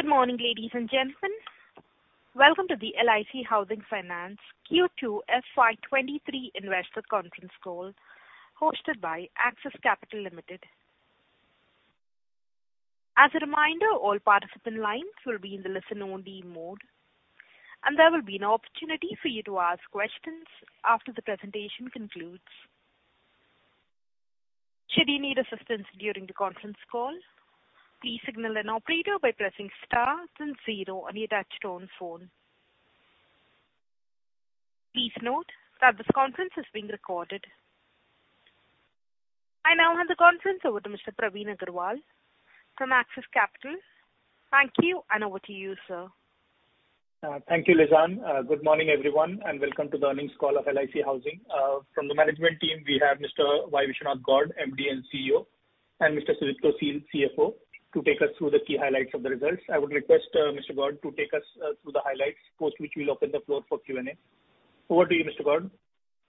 Good morning, ladies and gentlemen. Welcome to the LIC Housing Finance Q2 FY 2023 Investor Conference Call hosted by Axis Capital Limited. As a reminder, all participant lines will be in the listen-only mode, and there will be an opportunity for you to ask questions after the presentation concludes. Should you need assistance during the conference call, please signal an operator by pressing star then zero on your touchtone phone. Please note that this conference is being recorded. I now hand the conference over to Mr. Praveen Agarwal from Axis Capital. Thank you, and over to you, sir. Thank you, Lisane. Good morning, everyone, and welcome to the earnings call of LIC Housing Finance. From the management team we have Mr. Y. Viswanatha Gowd, MD and CEO, and Mr. Sudipto Sil, CFO, to take us through the key highlights of the results. I would request Mr. Gowd to take us through the highlights, after which we'll open the floor for Q&A. Over to you, Mr. Gowd.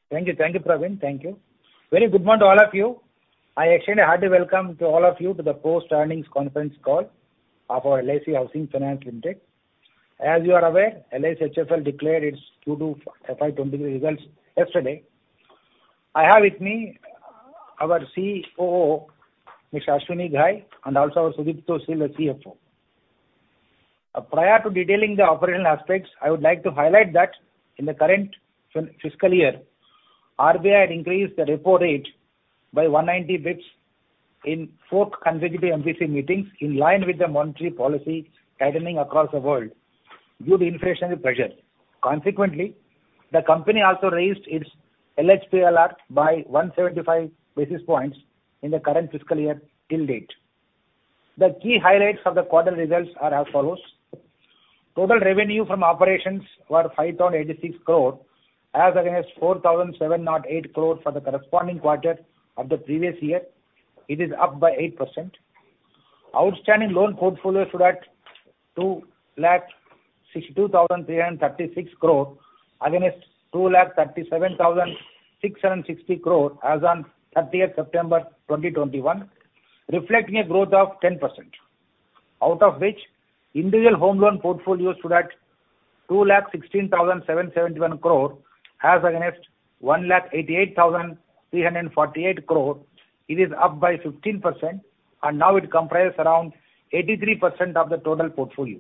Thank you. Thank you, Praveen. Thank you. Very good morning to all of you. I extend a hearty welcome to all of you to the post-earnings conference call of our LIC Housing Finance Limited. As you are aware, LIC HFL declared its Q2 FY23 results yesterday. I have with me our COO, Mr. Ashwani Ghai, and also our Sudipto Sil, the CFO. Prior to detailing the operational aspects, I would like to highlight that in the current fiscal year, RBI had increased the repo rate by 190 basis points in fourth consecutive MPC meetings in line with the monetary policy tightening across the world due to inflationary pressure. Consequently, the company also raised its LHPLR by 175 basis points in the current fiscal year till date. The key highlights of the quarter results are as follows. Total revenue from operations were 5,086 crore as against 4,708 crore for the corresponding quarter of the previous year. It is up by 8%. Outstanding loan portfolio stood at 2,62,336 crore against 2,37,660 crore as on September 30th, 2021, reflecting a growth of 10%. Out of which individual home loan portfolio stood at 2,16,771 crore as against 1,88,348 crore. It is up by 15%, and now it comprises around 83% of the total portfolio.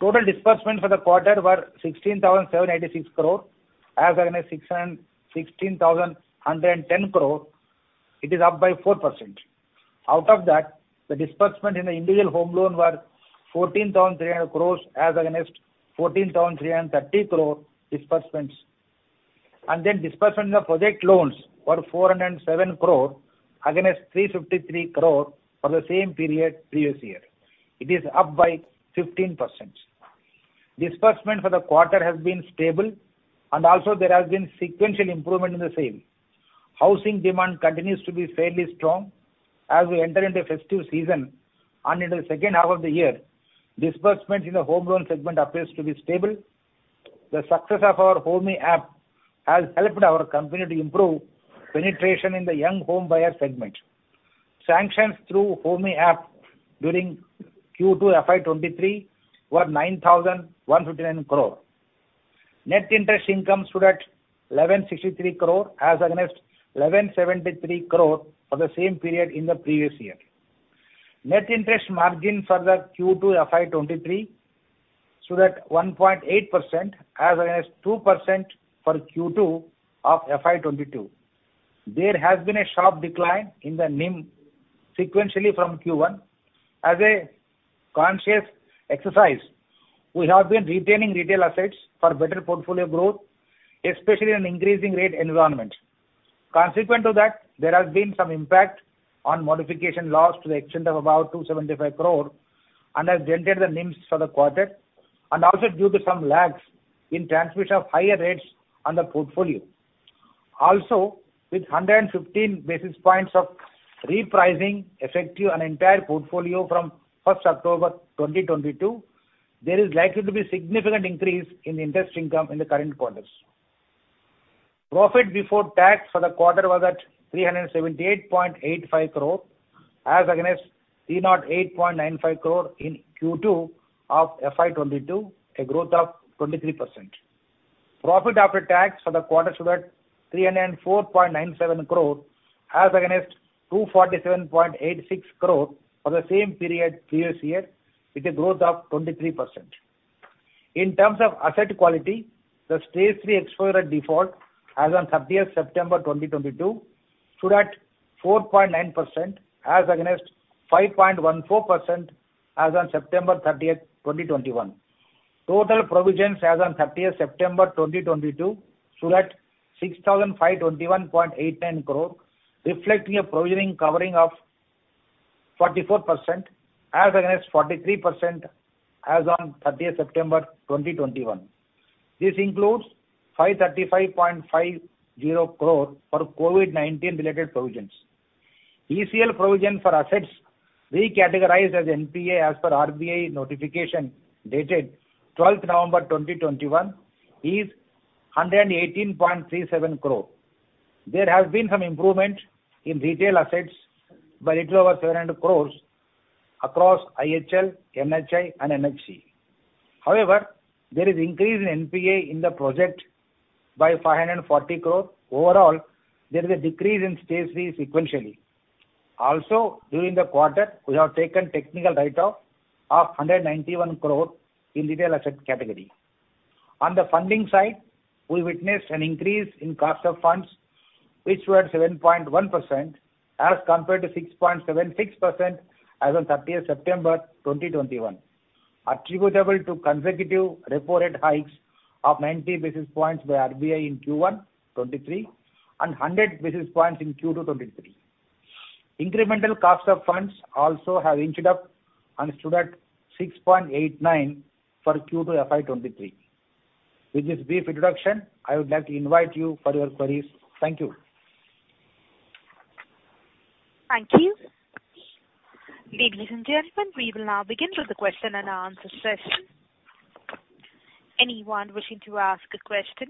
Total disbursements for the quarter were 16,786 crore as against 616,110 crore. It is up by 4%. Out of that, the disbursement in the individual home loan were 14,300 crore as against 14,330 crore disbursements. Disbursements of project loans were 407 crore against 353 crore for the same period previous year. It is up by 15%. Disbursement for the quarter has been stable and also there has been sequential improvement in the same. Housing demand continues to be fairly strong as we enter into the festive season and into the second half of the year. Disbursement in the home loan segment appears to be stable. The success of our Homy app has helped our company to improve penetration in the young homebuyer segment. Sanctions through Homy app during Q2 FY 2023 were 9,159 crore. Net Interest Income stood at 1,163 crore as against 1,173 crore for the same period in the previous year. Net Interest Margin for the Q2 FY 2023 stood at 1.8% as against 2% for Q2 of FY 2022. There has been a sharp decline in the NIM sequentially from Q1. As a conscious exercise, we have been retaining retail assets for better portfolio growth, especially in increasing rate environment. Consequent to that, there has been some impact on Modification Loss to the extent of about 275 crore and has dented the NIMs for the quarter and also due to some lags in transmission of higher rates on the portfolio. Also, with 115 basis points of repricing effective on entire portfolio from October 1, 2022, there is likely to be significant increase in interest income in the current quarters. Profit before tax for the quarter was at 378.85 crore as against 308.95 crore in Q2 of FY 2022, a growth of 23%. Profit after tax for the quarter stood at 304.97 crore as against 247.86 crore for the same period previous year, with a growth of 23%. In terms of asset quality, the Stage 3 exposure at default as on September 30, 2022 stood at 4.9% as against 5.14% as on September 30, 2021. Total provisions as on September 30, 2022 stood at 6,521.89 crore, reflecting a provisioning covering of 44% as against 43% as on September 30, 2021. This includes 535.50 crore for COVID-19 related provisions. ECL provision for assets recategorized as NPA as per RBI notification dated 12th November 2021 is 118.37 crore. There has been some improvement in retail assets by little over 700 crores across IHL, LHL and NHC. However, there is increase in NPA in the project by 540 crore. Overall, there is a decrease in Stage 3 sequentially. Also, during the quarter, we have taken technical write-off of 191 crore in retail asset category. On the funding side, we witnessed an increase in cost of funds, which were 7.1% as compared to 6.76% as on 30th September 2021, attributable to consecutive repo rate hikes of 90 basis points by RBI in Q1 2023 and 100 basis points in Q2 2023. Incremental cost of funds also have inched up and stood at 6.89% for Q2 FY 2023. With this brief introduction, I would like to invite you for your queries. Thank you. Thank you. Ladies and gentlemen, we will now begin with the question and answer session. Anyone wishing to ask a question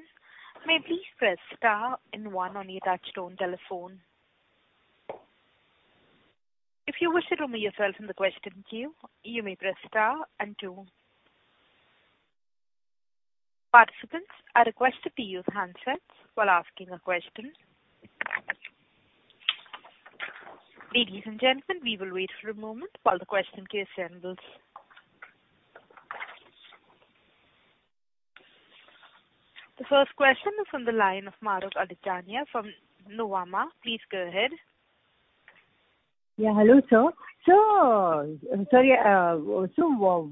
may please press star and one on your touchtone telephone. If you wish to remove yourself from the question queue, you may press star and two. Participants are requested to use handsets while asking a question. Ladies and gentlemen, we will wait for a moment while the question queue assembles. The first question is on the line of Mahrukh Adajania from Nuvama. Please go ahead. Yeah, hello sir. Sorry,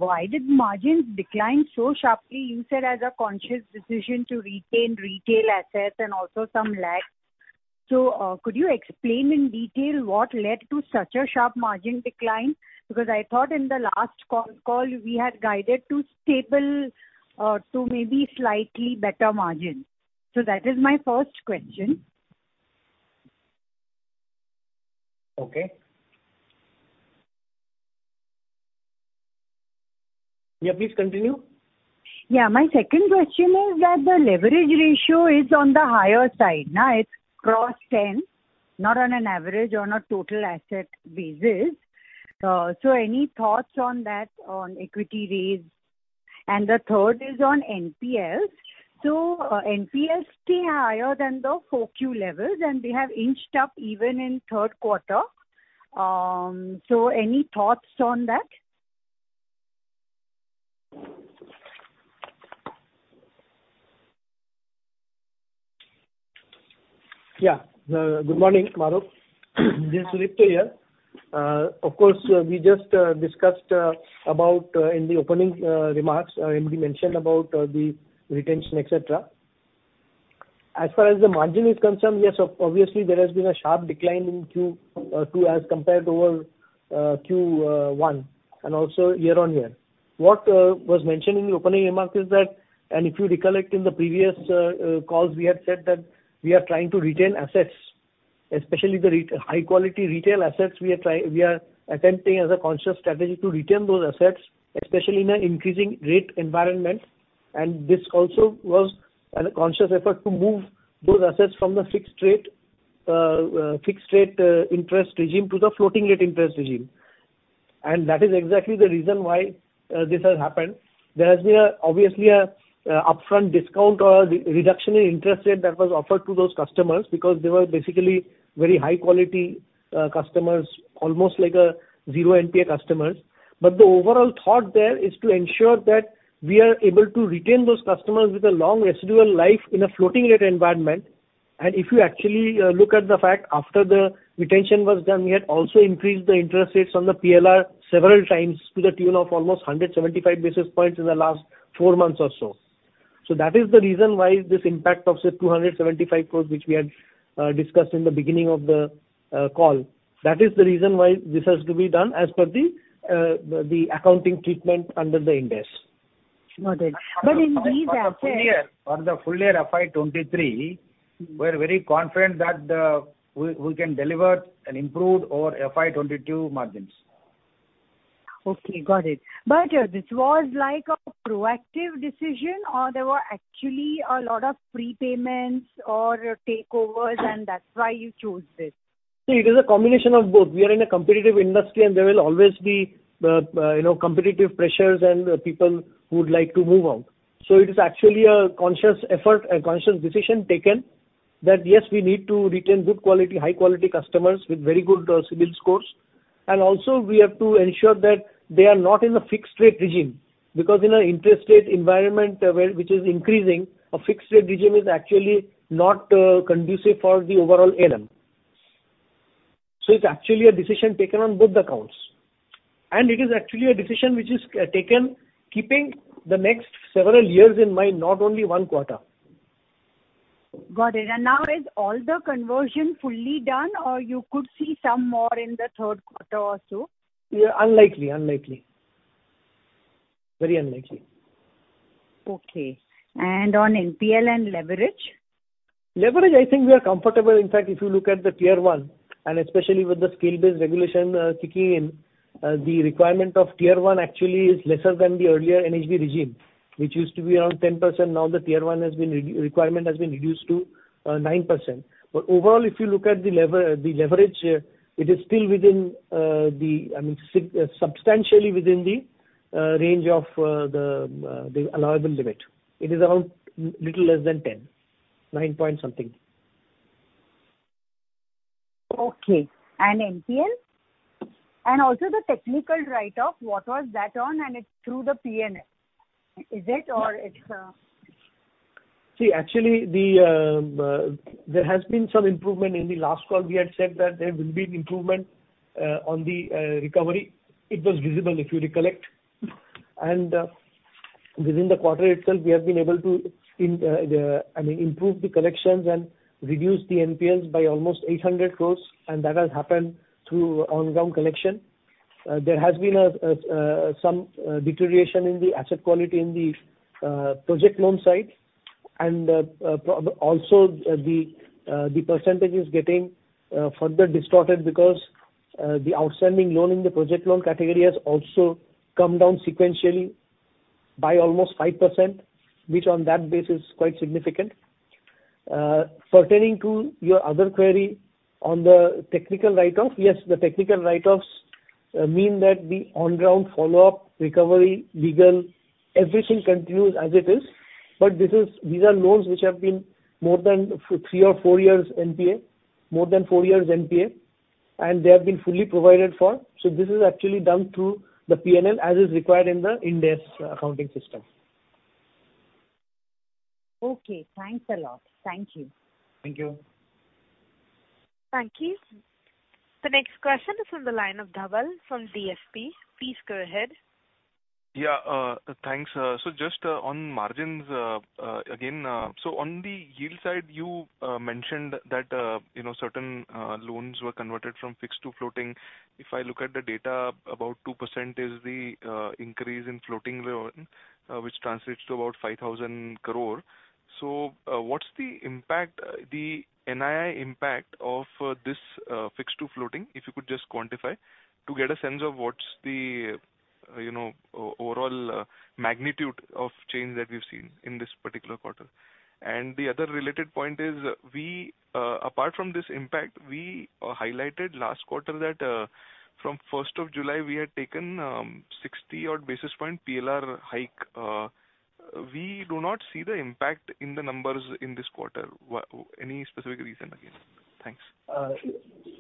why did margins decline so sharply? You said as a conscious decision to retain retail assets and also some lag. Could you explain in detail what led to such a sharp margin decline? Because I thought in the last con call we had guided to stable or to maybe slightly bett.r margins. That is my first question. Okay. Yeah, please continue. Yeah. My second question is that the leverage ratio is on the higher side. Now it's crossed 10, now on an average on a total asset basis. Any thoughts on that on equity raise? The third is on NPL. NPL stay higher than the 4Q levels, and they have inched up even in third quarter. Any thoughts on that? Yeah. Good morning, Mahrukh. This is Sudipto here. Of course, we just discussed about in the opening remarks, MD mentioned about the retention, et cetera. As far as the margin is concerned, yes, obviously there has been a sharp decline in Q2 as compared to Q1 and also year-on-year. What was mentioned in the opening remark is that, and if you recollect in the previous calls, we had said that we are trying to retain assets, especially the really high quality retail assets. We are attempting as a conscious strategy to retain those assets, especially in an increasing rate environment. This also was a conscious effort to move those assets from the fixed rate interest regime to the floating rate interest regime. That is exactly the reason why this has happened. There has been obviously a upfront discount or re-reduction in interest rate that was offered to those customers because they were basically very high quality customers, almost like a zero NPA customers. The overall thought there is to ensure that we are able to retain those customers with a long residual life in a floating rate environment. If you actually look at the fact after the retention was done, we had also increased the interest rates on the PLR several times to the tune of almost 175 basis points in the last four months or so. That is the reason why this impact of, say, 275 crore, which we had discussed in the beginning of the call. That is the reason why this has to be done as per the accounting treatment under the Ind AS. Got it. In these assets. For the full-year FY 2023, we're very confident that we can deliver an improved over FY 2022 margins. Okay, got it. This was like a proactive decision or there were actually a lot of prepayments or takeovers and that's why you chose this? See, it is a combination of both. We are in a competitive industry and there will always be, you know, competitive pressures and people who would like to move out. It is actually a conscious effort, a conscious decision taken that, yes, we need to retain good quality, high quality customers with very good CIBIL scores. Also we have to ensure that they are not in a fixed rate regime because in an interest rate environment, where which is increasing, a fixed rate regime is actually not conducive for the overall NIM. It's actually a decision taken on both accounts, and it is actually a decision which is taken keeping the next several years in mind, not only one quarter. Got it. Now is all the conversion fully done or you could see some more in the third quarter or so? Yeah. Unlikely. Very unlikely. Okay. On NPL and leverage. Leverage, I think we are comfortable. In fact, if you look at the Tier 1 and especially with the scale-based regulation kicking in, the requirement of Tier 1 actually is lesser than the earlier NHB regime, which used to be around 10%. Now the Tier 1 requirement has been reduced to 9%. Overall, if you look at the leverage, it is still within, I mean, substantially within the range of the allowable limit. It is around little less than 10, 9-point-something. Okay. NPL? Also, the technical write-off, what was that on? It's through the P&L. Is it or it's? See, actually there has been some improvement. In the last call we had said that there will be an improvement on the recovery. It was visible, if you recollect. Within the quarter itself, we have been able to, I mean, improve the collections and reduce the NPLs by almost 800 crore, and that has happened through on ground collection. There has been some deterioration in the asset quality in the project loan side. Also, the percentage is getting further distorted because the outstanding loan in the project loan category has also come down sequentially by almost 5%, which on that base is quite significant. Pertaining to your other query on the technical write-off. Yes, the technical write-offs mean that the on ground follow-up, recovery, legal, everything continues as it is, but these are loans which have been more than three or four years NPA, and they have been fully provided for. This is actually done through the PNL as is required in the Ind AS accounting system. Okay. Thanks a lot. Thank you. Thank you. Thank you. The next question is on the line of Dhaval from DSP. Please go ahead. Yeah. Thanks. Just on margins again. On the yield side, you mentioned that you know certain loans were converted from fixed to floating. If I look at the data, about 2% is the increase in floating loan which translates to about 5,000 crore. What's the impact, the NII impact of this fixed to floating? If you could just quantify to get a sense of what's the you know overall magnitude of change that we've seen in this particular quarter. The other related point is, apart from this impact, we highlighted last quarter that from first of July we had taken 60 odd basis points PLR hike. We do not see the impact in the numbers in this quarter. Any specific reason again? Thanks.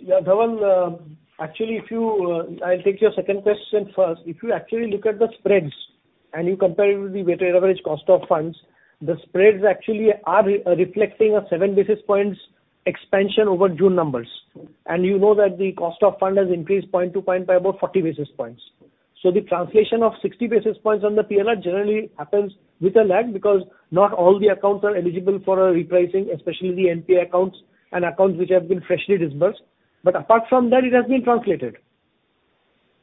Yeah, Dhaval. Actually, if you, I'll take your second question first. If you actually look at the spreads and you compare it with the weighted average cost of funds, the spreads actually are reflecting a 7 basis points expansion over June numbers. You know that the cost of funds has increased point to point by about 40 basis points. The translation of 60 basis points on the PLR generally happens with a lag because not all the accounts are eligible for a repricing, especially the NPA accounts and accounts which have been freshly disbursed. Apart from that, it has been translated.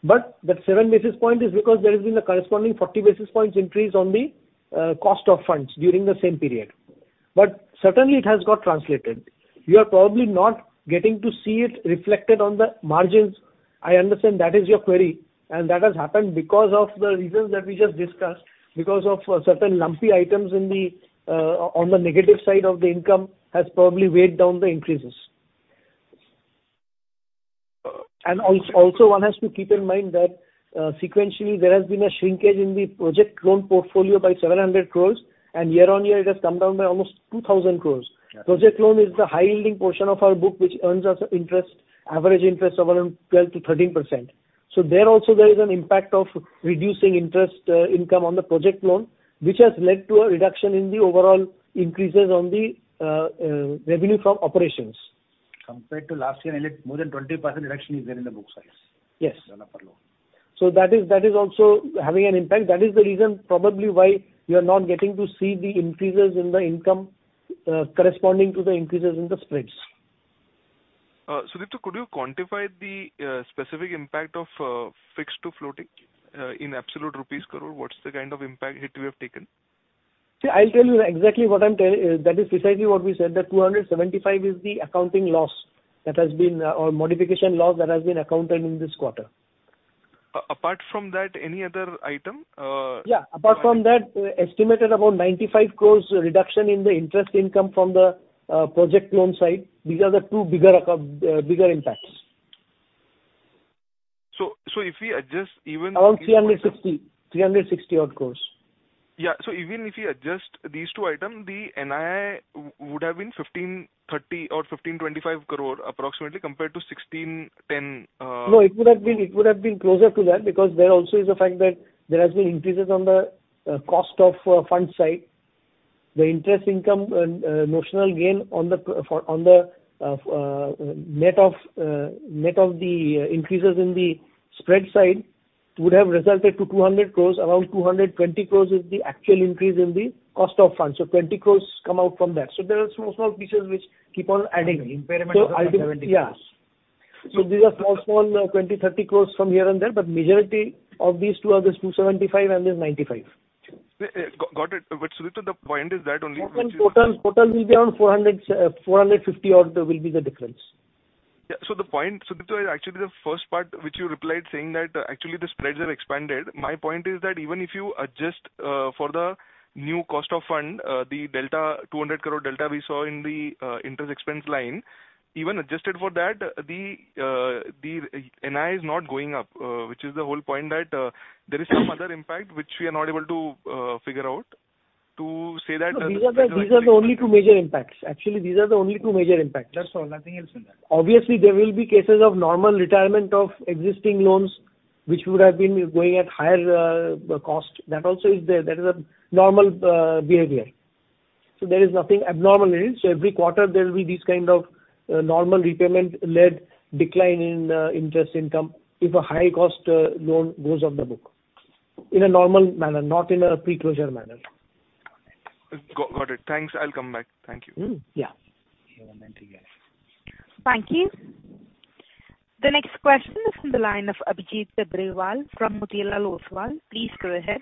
That 7 basis points is because there has been a corresponding 40 basis points increase on the cost of funds during the same period. Certainly it has got translated. You are probably not getting to see it reflected on the margins. I understand that is your query, and that has happened because of the reasons that we just discussed, because of certain lumpy items in the on the negative side of the income has probably weighed down the increases. Also one has to keep in mind that sequentially there has been a shrinkage in the project loan portfolio by 700 crore, and year-on-year it has come down by almost 2,000 crore. Yeah. Project loan is the high yielding portion of our book which earns us interest, average interest of around 12% to 13%. There also is an impact of reducing interest income on the project loan, which has led to a reduction in the overall increase in the revenue from operations. Compared to last year, I believe more than 20% reduction is there in the book size. Yes. The loan portfolio. That is also having an impact. That is the reason probably why you are not getting to see the increases in the income, corresponding to the increases in the spreads. Sudipto, could you quantify the specific impact of fixed to floating in absolute rupees crore? What's the kind of impact hit we have taken? See, that is precisely what we said, that 275 is the accounting loss that has been, or Modification Loss that has been accounted in this quarter. Apart from that, any other item? Yeah. Apart from that, estimated about 95 crore reduction in the interest income from the project loan side. These are the two bigger impacts. If we adjust even— Around 360. 360 odd crore. Even if you adjust these two items, the NII would have been 1,530 crore or 1,525 crore approximately compared to 1,610 crore. No, it would have been closer to that because there also is a fact that there has been increases on the cost of funds side. The interest income notional gain on the net of the increases in the spread side would have resulted to 200 crore. Around 220 crore is the actual increase in the cost of funds. 20 crore come out from that. There are small pieces which keep on adding. Okay. Impairment was like 70 crore. I think, yeah. These are small, 20 crore, 30 crore from here and there, but majority of these two are this 275 crore and this 95 crore. Got it. Sudipto, the point is that only which is. Total will be around 400, 450 odd will be the difference. Yeah. The point, Sudipto, actually the first part which you replied saying that actually the spreads have expanded. My point is that even if you adjust for the new cost of fund, the delta, 200 crore delta we saw in the interest expense line, even adjusted for that the NII is not going up, which is the whole point that there is some other impact which we are not able to figure out. To say that. No, these are the only two major impacts. Actually, these are the only two major impacts. That's all. Nothing else in that. Obviously, there will be cases of normal retirement of existing loans which would have been going at higher cost. That also is there. That is a normal behavior. There is nothing abnormal in it. Every quarter there will be this kind of normal repayment-led decline in interest income if a high cost loan goes off the book in a normal manner, not in a pre-closure manner. Got it. Thanks. I'll come back. Thank you. Yeah. Thank you. The next question is from the line of Abhijit Tibrewal from Motilal Oswal. Please go ahead.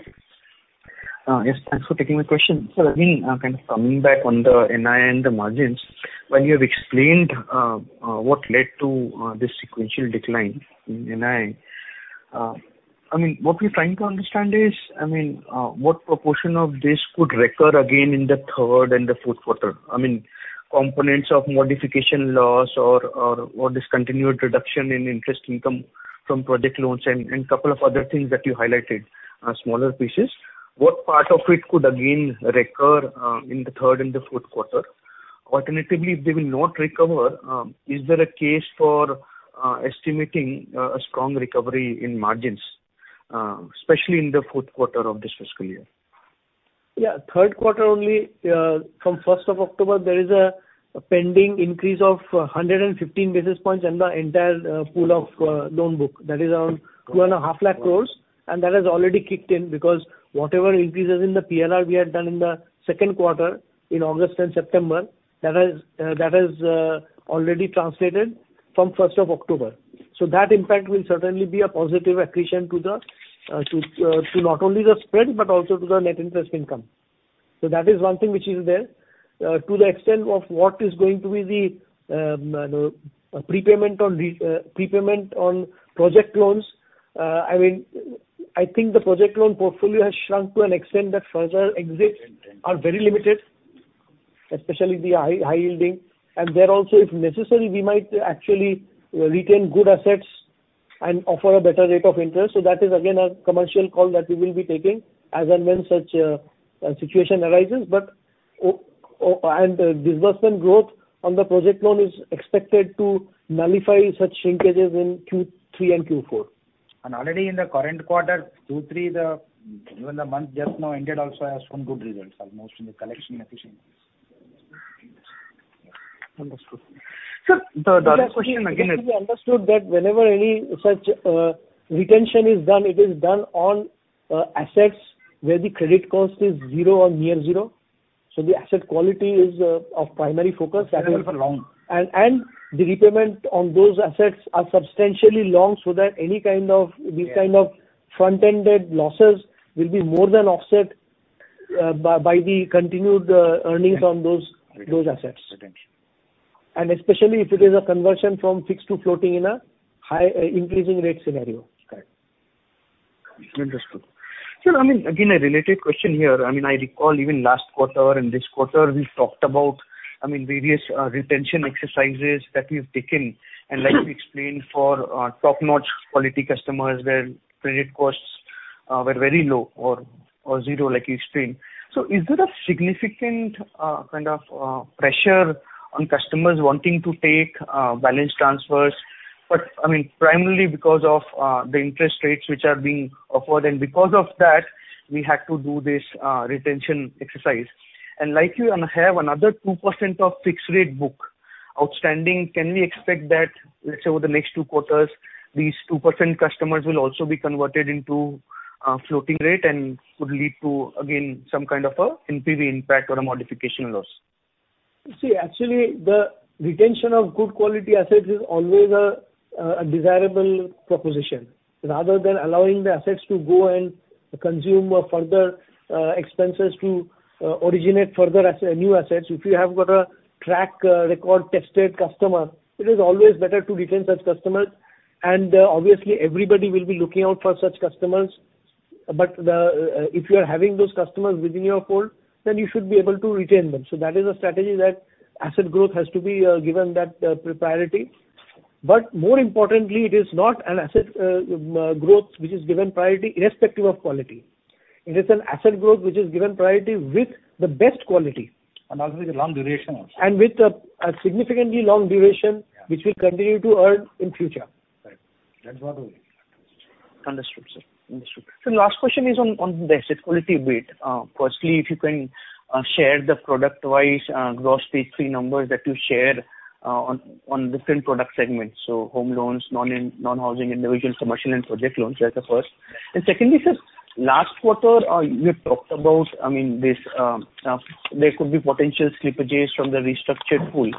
Yes, thanks for taking my question. Again, kind of coming back on the NII and the margins. While you have explained what led to this sequential decline in NII, I mean, what we're trying to understand is, I mean, what proportion of this could recur again in the third and the fourth quarter? I mean, components of Modification Loss or discontinued reduction in interest income from project loans and couple of other things that you highlighted, smaller pieces. What part of it could again recur in the third and the fourth quarter? Alternatively, if they will not recover, is there a case for estimating a strong recovery in margins, especially in the fourth quarter of this fiscal year? Yeah. Third quarter only, from first of October, there is a pending increase of 115 basis points in the entire pool of loan book. That is around 2.5 lakh crore. That has already kicked in because whatever increases in the PLR we had done in the second quarter in August and September, that has already translated from first of October. That impact will certainly be a positive accretion to not only the spread but also to the net interest income. That is one thing which is there. To the extent of what is going to be the prepayment on project loans, I mean, I think the project loan portfolio has shrunk to an extent that further exits are very limited, especially the high yielding. There also, if necessary, we might actually retain good assets and offer a better rate of interest. That is again a commercial call that we will be taking as and when such a situation arises. Disbursement growth on the project loan is expected to nullify such shrinkages in Q3 and Q4. Already in the current Q2, Q3, even the month just now ended also has shown good results almost in the collection efficiencies. Understood. Sir, the last question again is— It should be understood that whenever any such retention is done, it is done on assets where the credit cost is zero or near zero. The asset quality is of primary focus. That is for long. The repayment on those assets are substantially long, so that any kind of these kind of front-ended losses will be more than offset by the continued earnings on those assets. Retention. Especially if it is a conversion from fixed to floating in a high, increasing rate scenario. Correct. Understood. Sir, I mean, again, a related question here. I mean, I recall even last quarter and this quarter we've talked about, I mean, various, retention exercises that we've taken. Like we explained for, top-notch quality customers where credit costs, were very low or zero like you explained. Is there a significant, kind of, pressure on customers wanting to take, balance transfers? I mean, primarily because of, the interest rates which are being offered and because of that we had to do this, retention exercise. Likely you have another 2% of fixed rate book outstanding. Can we expect that, let's say over the next two quarters, these 2% customers will also be converted into, floating rate and would lead to again, some kind of a NPV impact or a Modification Loss? See, actually the retention of good quality assets is always a desirable proposition. Rather than allowing the assets to go and consume further expenses to originate further new assets, if you have got a track record tested customer, it is always better to retain such customers. Obviously everybody will be looking out for such customers. If you are having those customers within your fold, then you should be able to retain them. That is a strategy that asset growth has to be given that priority. More importantly, it is not an asset growth which is given priority irrespective of quality. It is an asset growth which is given priority with the best quality. Also with a long duration also. With a significantly long duration. Yeah. Which we continue to earn in future. Right. That's what I mean. Understood, sir. Sir, last question is on the asset quality bit. Firstly, if you can share the product-wise gross Stage 3 numbers that you shared on different product segments. Home Loans, Non-Housing Individual, Commercial and Project Loans. That's the first. Secondly, sir, last quarter you had talked about, I mean this, there could be potential slippages from the restructured pool.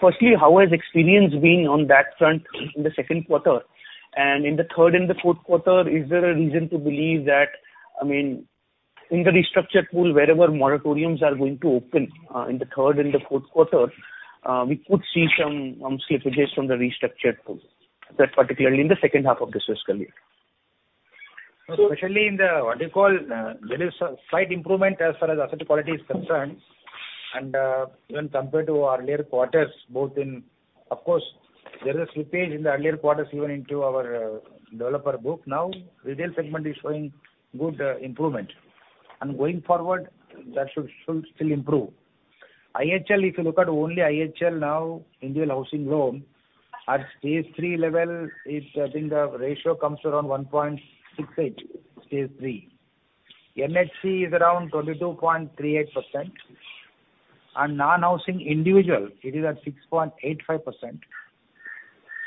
Firstly, how has experience been on that front in the second quarter? In the third and the fourth quarter, is there a reason to believe that, I mean, in the restructured pool, wherever moratoriums are going to open in the third and the fourth quarter, we could see some slippages from the restructured pool, that particularly in the second half of this fiscal year. Especially in the, what do you call, there is a slight improvement as far as asset quality is concerned. Even compared to our earlier quarters, there is a slippage in the earlier quarters even into our developer book. Retail segment is showing good improvement. Going forward, that should still improve. IHL, if you look at only IHL now, individual housing loan, at Stage 3 level, it's, I think the ratio comes to around 1.68, Stage 3. NHC is around 22.38%. Non-Housing Individual, it is at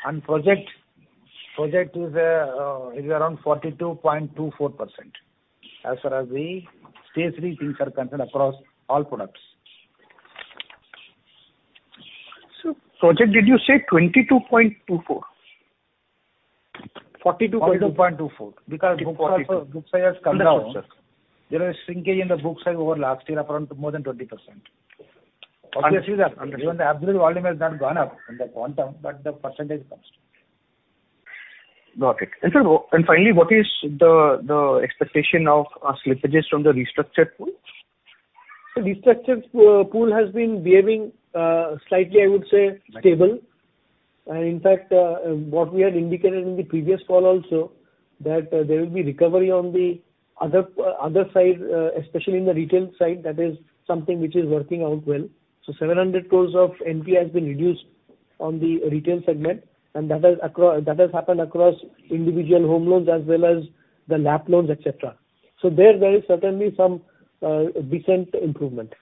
6.85%. Project is around 42.24% as far as the Stage 3 things are concerned across all products. Sir, projected, did you say 22.24? 42.24. 40.24. Because book size has come down. Understood. There is shrinkage in the book size over last year of around more than 20%. Understood. Obviously, the absolute volume has not gone up in the quantum, but the percentage comes. Got it. Sir, finally, what is the expectation of slippages from the restructured pool? The restructured pool has been behaving, slightly, I would say, stable. In fact, what we had indicated in the previous call also that there will be recovery on the other side, especially in the retail side. That is something which is working out well. 700 crore of NP has been reduced on the retail segment, and that has happened across individual home loans as well as the lap loans, et cetera. There is certainly some decent improvement.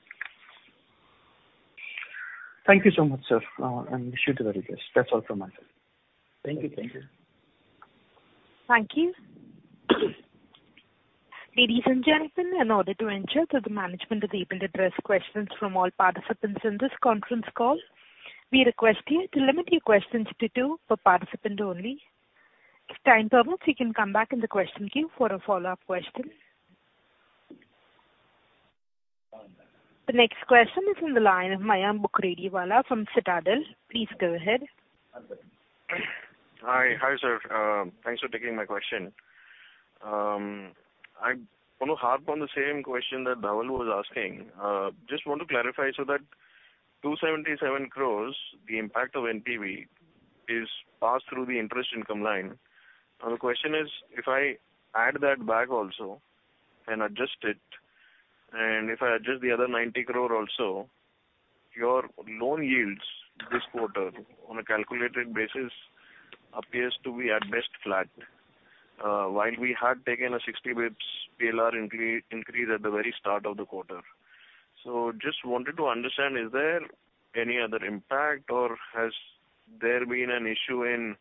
Thank you so much, sir. Wish you the very best. That's all from my side. Thank you. Thank you. Thank you. Ladies and gentlemen, in order to ensure that the management is able to address questions from all participants in this conference call, we request you to limit your questions to two per participant only. If time permits, we can come back in the question queue for a follow-up question. The next question is on the line of Mayank Bukrediwala from Citadel. Please go ahead. Hi. Hi, sir. Thanks for taking my question. I want to harp on the same question that Dhaval was asking. Just want to clarify so that 277 crores, the impact of NPV, is passed through the interest income line. Now, the question is, if I add that back also and adjust it, and if I adjust the other 90 crore also, your loan yields this quarter on a calculated basis appears to be at best flat. While we had taken a 60 basis points PLR increase at the very start of the quarter. Just wanted to understand, is there any other impact or has there been an issue in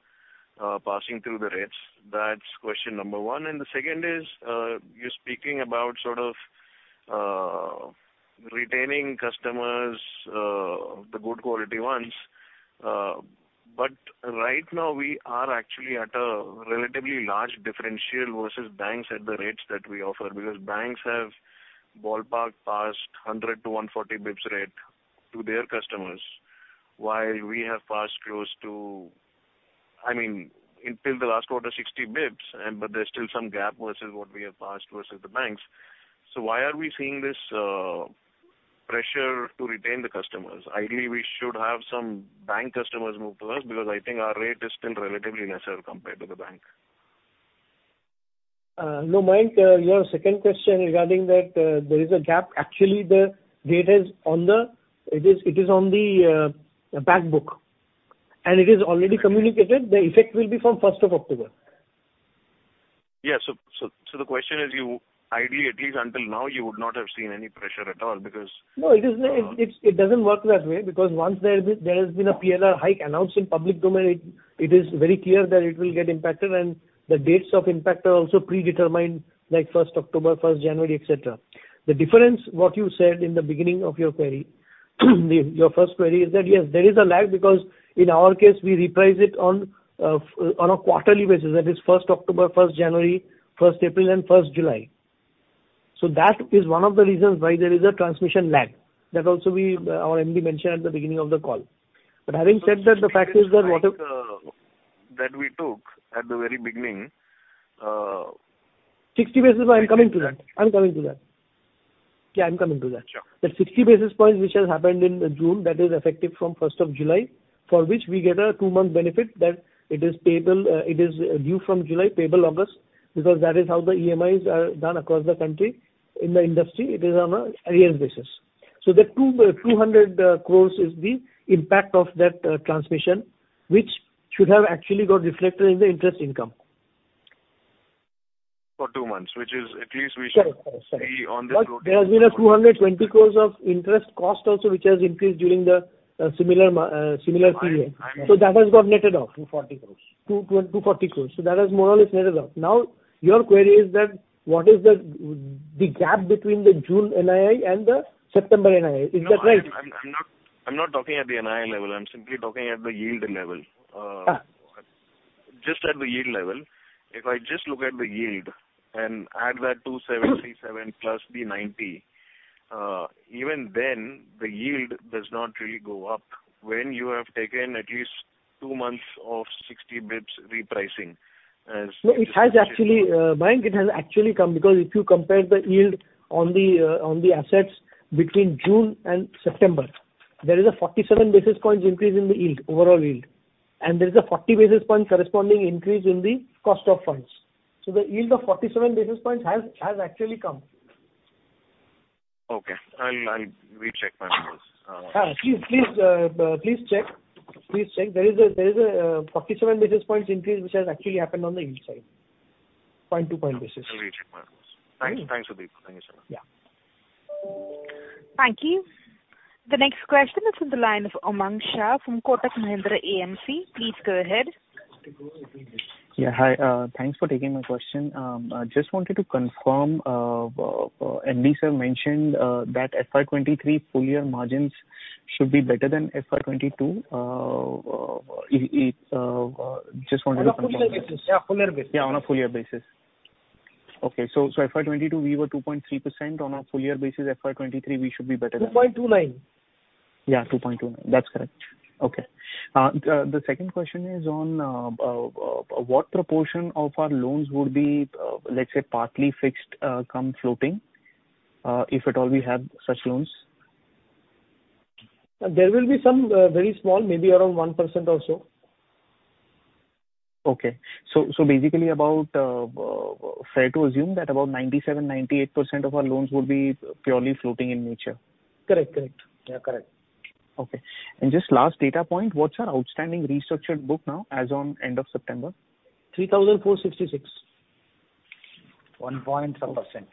passing through the rates? That's question number one. The second is, you're speaking about sort of retaining customers, the good quality ones. Right now we are actually at a relatively large differential versus banks at the rates that we offer. Because banks have ballpark passed 100 to 140 basis points rate to their customers, while we have passed close to, I mean, until the last quarter, 60 basis points, but there's still some gap versus what we have passed versus the banks. Why are we seeing this pressure to retain the customers? Ideally, we should have some bank customers move to us because I think our rate is still relatively lesser compared to the bank. No, Mayank, your second question regarding that, there is a gap. Actually, the rate is on the back book. It is already communicated. The effect will be from first of October. The question is you, ideally, at least until now, you would not have seen any pressure at all because— No, it doesn't work that way because once there has been a PLR hike announced in public domain, it is very clear that it will get impacted and the dates of impact are also predetermined, like first October, first January, et cetera. The difference, what you said in the beginning of your query, your first query is that, yes, there is a lag because in our case we reprice it on a quarterly basis. That is first October, first January, first April and first July. That is one of the reasons why there is a transmission lag. That also our MD mentioned at the beginning of the call. Having said that, the fact is that what— The transmission hike that we took at the very beginning. 60 basis. Yeah, I'm coming to that. Sure. That 60 basis points which has happened in June, that is effective from first of July, for which we get a two-month benefit that it is payable, it is due from July, payable August, because that is how the EMIs are done across the country in the industry. It is on an arrears basis. The 200 crore is the impact of that transmission, which should have actually got reflected in the interest income. For two months, which is at least we should— Sorry. Be on the— There has been 200 crore of interest cost also which has increased during the similar period. I know. That has got netted off. 240 crore. 240 crore. That is more or less netted off. Now, your query is that what is the gap between the June NII and the September NII. Is that right? No, I'm not talking at the NII level. I'm simply talking at the yield level. Just at the yield level. If I just look at the yield and add that 277 plus the 90, even then the yield does not really go up when you have taken at least two months of 60 basis points repricing as— No, it has actually, Mayank, it has actually come because if you compare the yield on the assets between June and September, there is a 47 basis points increase in the yield, overall yield, and there is a 40 basis point corresponding increase in the cost of funds. The yield of 47 basis points has actually come. Okay. I'll recheck my numbers. Please check. There is a 47 basis points increase which has actually happened on the yield side, point to point basis. I'll recheck my numbers. Thanks. Thanks, Sudipto Sil. Thank you so much. Yeah. Thank you. The next question is from the line of Manan Shah from Kotak Mahindra AMC. Please go ahead. Hi, thanks for taking my question. I just wanted to confirm MD sir mentioned that FY 2023 full-year margins should be better than FY 2022. I just wanted to confirm that. On a full-year basis. Yeah, full-year basis. Yeah, on a full-year basis. Okay. FY 2022 we were 2.3%. On a full-year basis, FY 2023 we should be better than that. 2.29. Yeah, 2.29. That's correct. Okay. The second question is on what proportion of our loans would be, let's say partly fixed, cum floating, if at all we have such loans? There will be some, very small, maybe around 1% or so. Basically, it's fair to assume that about 97% to 98% of our loans will be purely floating in nature. Correct. Yeah, correct. Okay. Just last data point, what's our outstanding restructured book now as on end of September? 3,466. 1 point something percent.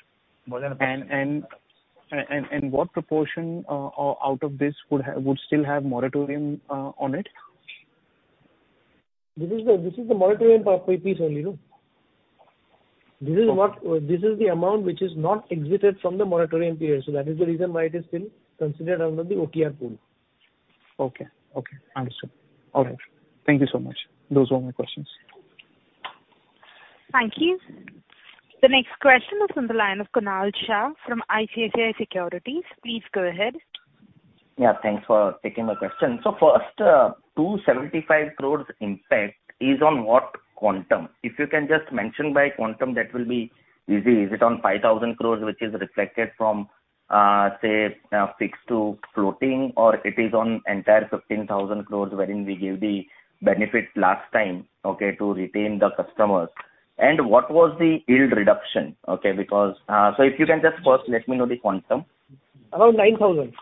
More than 1%. What proportion out of this would still have moratorium on it? This is the moratorium part only, no? This is the amount which is not exited from the moratorium period, so that is the reason why it is still considered under the OTR pool. Okay. Understood. All right. Thank you so much. Those were my questions. Thank you. The next question is from the line of Kunal Shah from ICICI Securities. Please go ahead. Yeah, thanks for taking my question. First, 275 crores impact is on what quantum? If you can just mention by quantum that will be easy. Is it on 5,000 crores which is reflected from, say, fixed to floating, or it is on entire 15,000 crores wherein we gave the benefit last time, okay, to retain the customers? What was the yield reduction? If you can just first let me know the quantum. Around 9,000.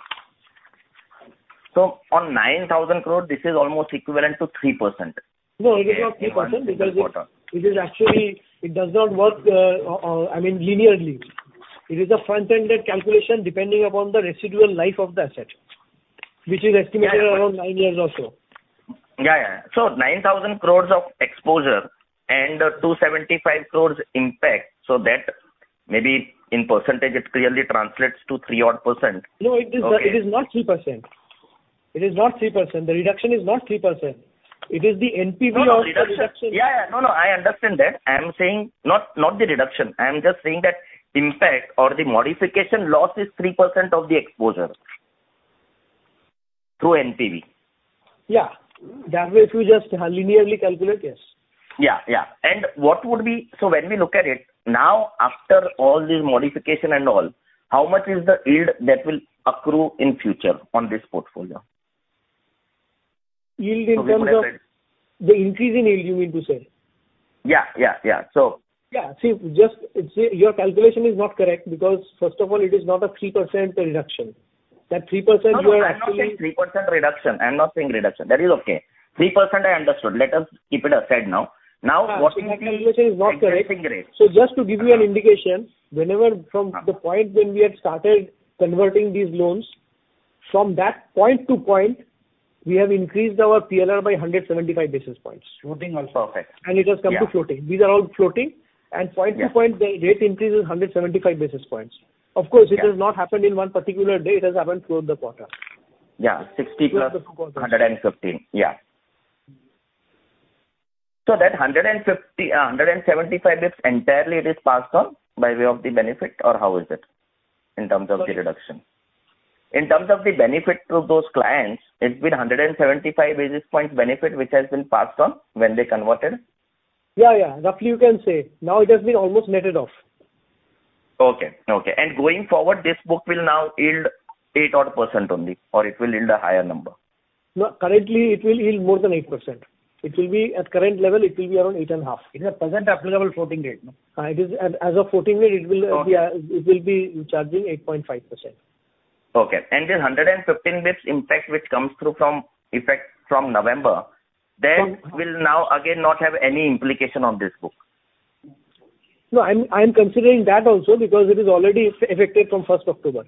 On 9,000 crore this is almost equivalent to 3%. No, it is not 3% because it is actually it does not work, I mean, linearly. It is a front-ended calculation depending upon the residual life of the asset, which is estimated around nine years or so. Yeah, yeah. Nine thousand crores of exposure and 275 crores impact, so that maybe in percentage it clearly translates to 3 odd %. No, it is not 3%. It is not 3%. The reduction is not 3%. It is the NPV of the reduction. Yeah. No, I understand that. I am saying not the reduction. I am just saying that impact or the Modification Loss is 3% of the exposure through NPV. Yeah. That way if you just linearly calculate, yes. Yeah, yeah. What would be, when we look at it, now after all this modification and all, how much is the yield that will accrue in future on this portfolio? Yield in terms of. We wanna say. The increase in yield you mean to say? Yeah. Yeah. See, just say your calculation is not correct because first of all it is not a 3% reduction. That 3% you are actually— No, no. I'm not saying 3% reduction. I'm not saying reduction. That is okay. 3% I understood. Let us keep it aside now. Now what Yeah. Your calculation is not correct. Interesting rates. Just to give you an indication, whenever from the point when we had started converting these loans, from that point to point, we have increased our PLR by 175 basis points. Floating also affects. It has come to floating. Yeah. These are all floating. Yeah. Point to point the rate increase is 175 basis points. Yeah. Of course, it has not happened in one particular day. It has happened throughout the quarter. 60 + 115. That 175 basis points entirely it is passed on by way of the benefit or how is it in terms of the reduction? In terms of the benefit to those clients, it's been 175 basis points benefit which has been passed on when they converted? Yeah, yeah. Roughly you can say. Now it has been almost netted off. Okay. Going forward this book will now yield 8% odd only, or it will yield a higher number? No, currently it will yield more than 8%. It will be, at current level it will be around 8.5%. It is a present applicable floating rate, no? It is as of floating rate, it will be charging 8.5%. Okay. This 115 basis points impact which comes through effective from November, that will now again not have any implication on this book? No, I'm considering that also because it is already effected from first October.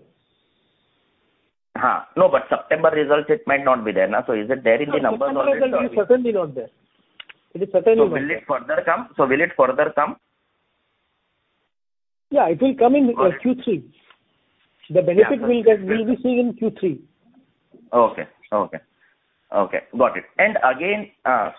No, but September results, it might not be there, no? So is it there in the numbers already or it In September results it's certainly not there. It is certainly not there. Will it further come? Yeah, it will come in Q3. Yeah. The benefit we'll get, we'll be seeing in Q3. Okay. Got it. Again.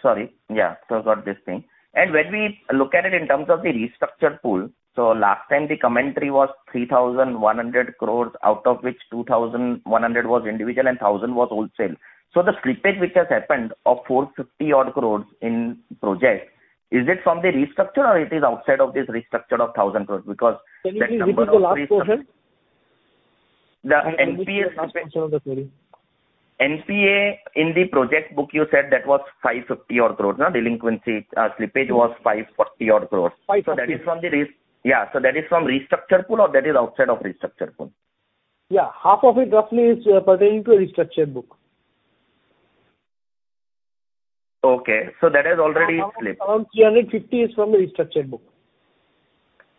Sorry. Yeah. Got this thing. When we look at it in terms of the restructured pool, last time the commentary was 3,100 crores, out of which 2,100 was individual and 1,000 was wholesale. The slippage which has happened of 450-odd crores in project, is it from the restructure or it is outside of this restructure of 1,000 crores? Because that number. Can you repeat the last question? The NPA slippage. Can you repeat the last question of the query? NPA in the project book, you said that was 550 odd crores. No, delinquency, slippage was 550 odd crores. 5.50. That is from the restructured pool or that is outside of restructured pool? Yeah. Half of it roughly is pertaining to a restructured book. Okay. That has already slipped. Around 350 is from the restructured book.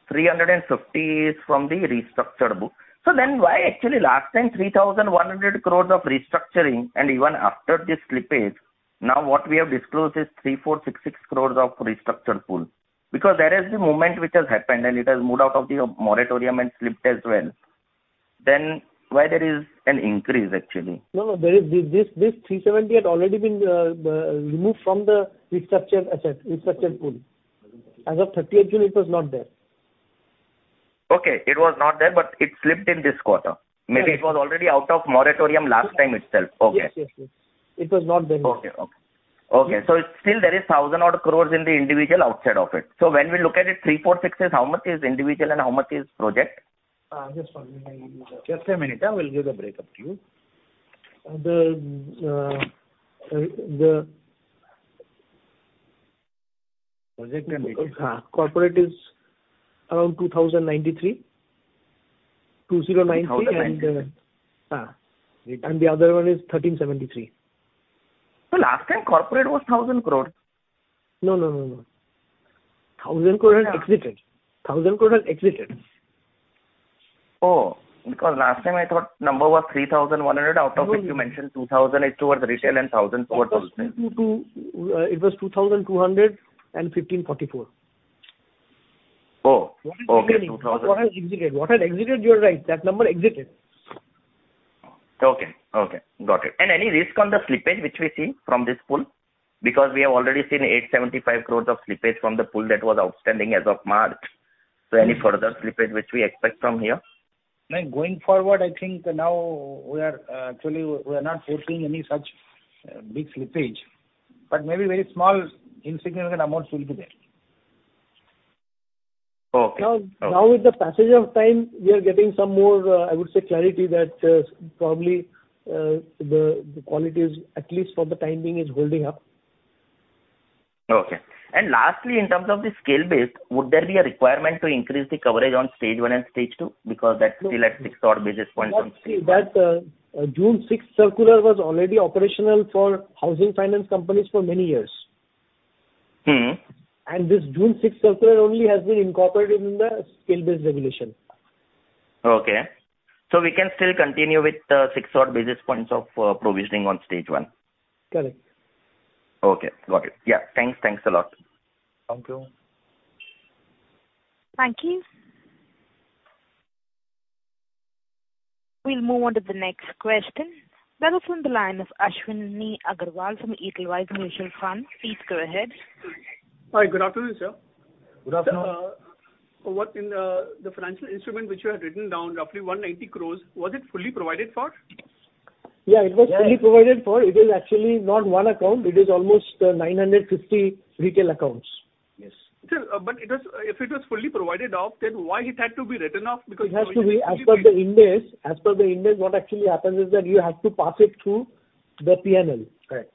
350 is from the restructured book. Why actually last time 3,100 crores of restructuring and even after this slippage, now what we have disclosed is 3,466 crores of restructured pool. Because there is the movement which has happened and it has moved out of the moratorium and slipped as well. Why there is an increase actually? No, no. There is this 370 had already been removed from the restructured asset, restructured pool. As of June 30, it was not there. Okay. It was not there, but it slipped in this quarter. Yes. Maybe it was already out of moratorium last time itself. Okay. Yes. It was not there. Still there is 1,000-odd crores in the individual outside of it. When we look at it, 3,466 crore, how much is individual and how much is project? Just a minute. I will give the break up to you. Project and individual. Corporate is around 2,093. 2,093. 20093. Yeah. Great. The other one is 1,373. Last time corporate was 1,000 crores. No. 1,000 crore had exited. Oh, because last time I thought number was 3,100. No. Out of which you mentioned 2,082 was retail and 1,002 was wholesale. It was INR 2,215.44. Oh, okay. What is remaining is what has exited. What had exited, you are right. That number exited. Okay. Got it. Any risk on the slippage which we see from this pool? Because we have already seen 875 crores of slippage from the pool that was outstanding as of March. Any further slippage which we expect from here? No. Going forward, I think now actually we're not foreseeing any such big slippage, but maybe very small insignificant amounts will be there. Okay. Now with the passage of time, we are getting some more, I would say clarity that, probably, the quality is at least for the time being is holding up. Okay. Lastly, in terms of the scale-based, would there be a requirement to increase the coverage on Stage 1 and Stage 2? Because that's still at six odd basis points on Stage 1. That June sixth circular was already operational for housing finance companies for many years. This June 6 circular only has been incorporated in the scale-based regulation. Okay. We can still continue with 6 odd basis points of provisioning on Stage 1. Correct. Okay. Got it. Yeah. Thanks. Thanks a lot. Thank you. Thank you. We'll move on to the next question. That is from the line of Ashwani Agarwalla from Edelweiss Mutual Fund. Please go ahead. Hi. Good afternoon, sir. Good afternoon. What in the financial instrument which you had written down, roughly 190 crore, was it fully provided for? Yeah. Yeah. It was fully provided for. It is actually not one account. It is almost 950 retail accounts. Yes. Sir, it was. If it was fully provided for, then why it had to be written off because you already fully paid? It has to be as per the Ind AS. As per the Ind AS, what actually happens is that you have to pass it through the P&L. Correct.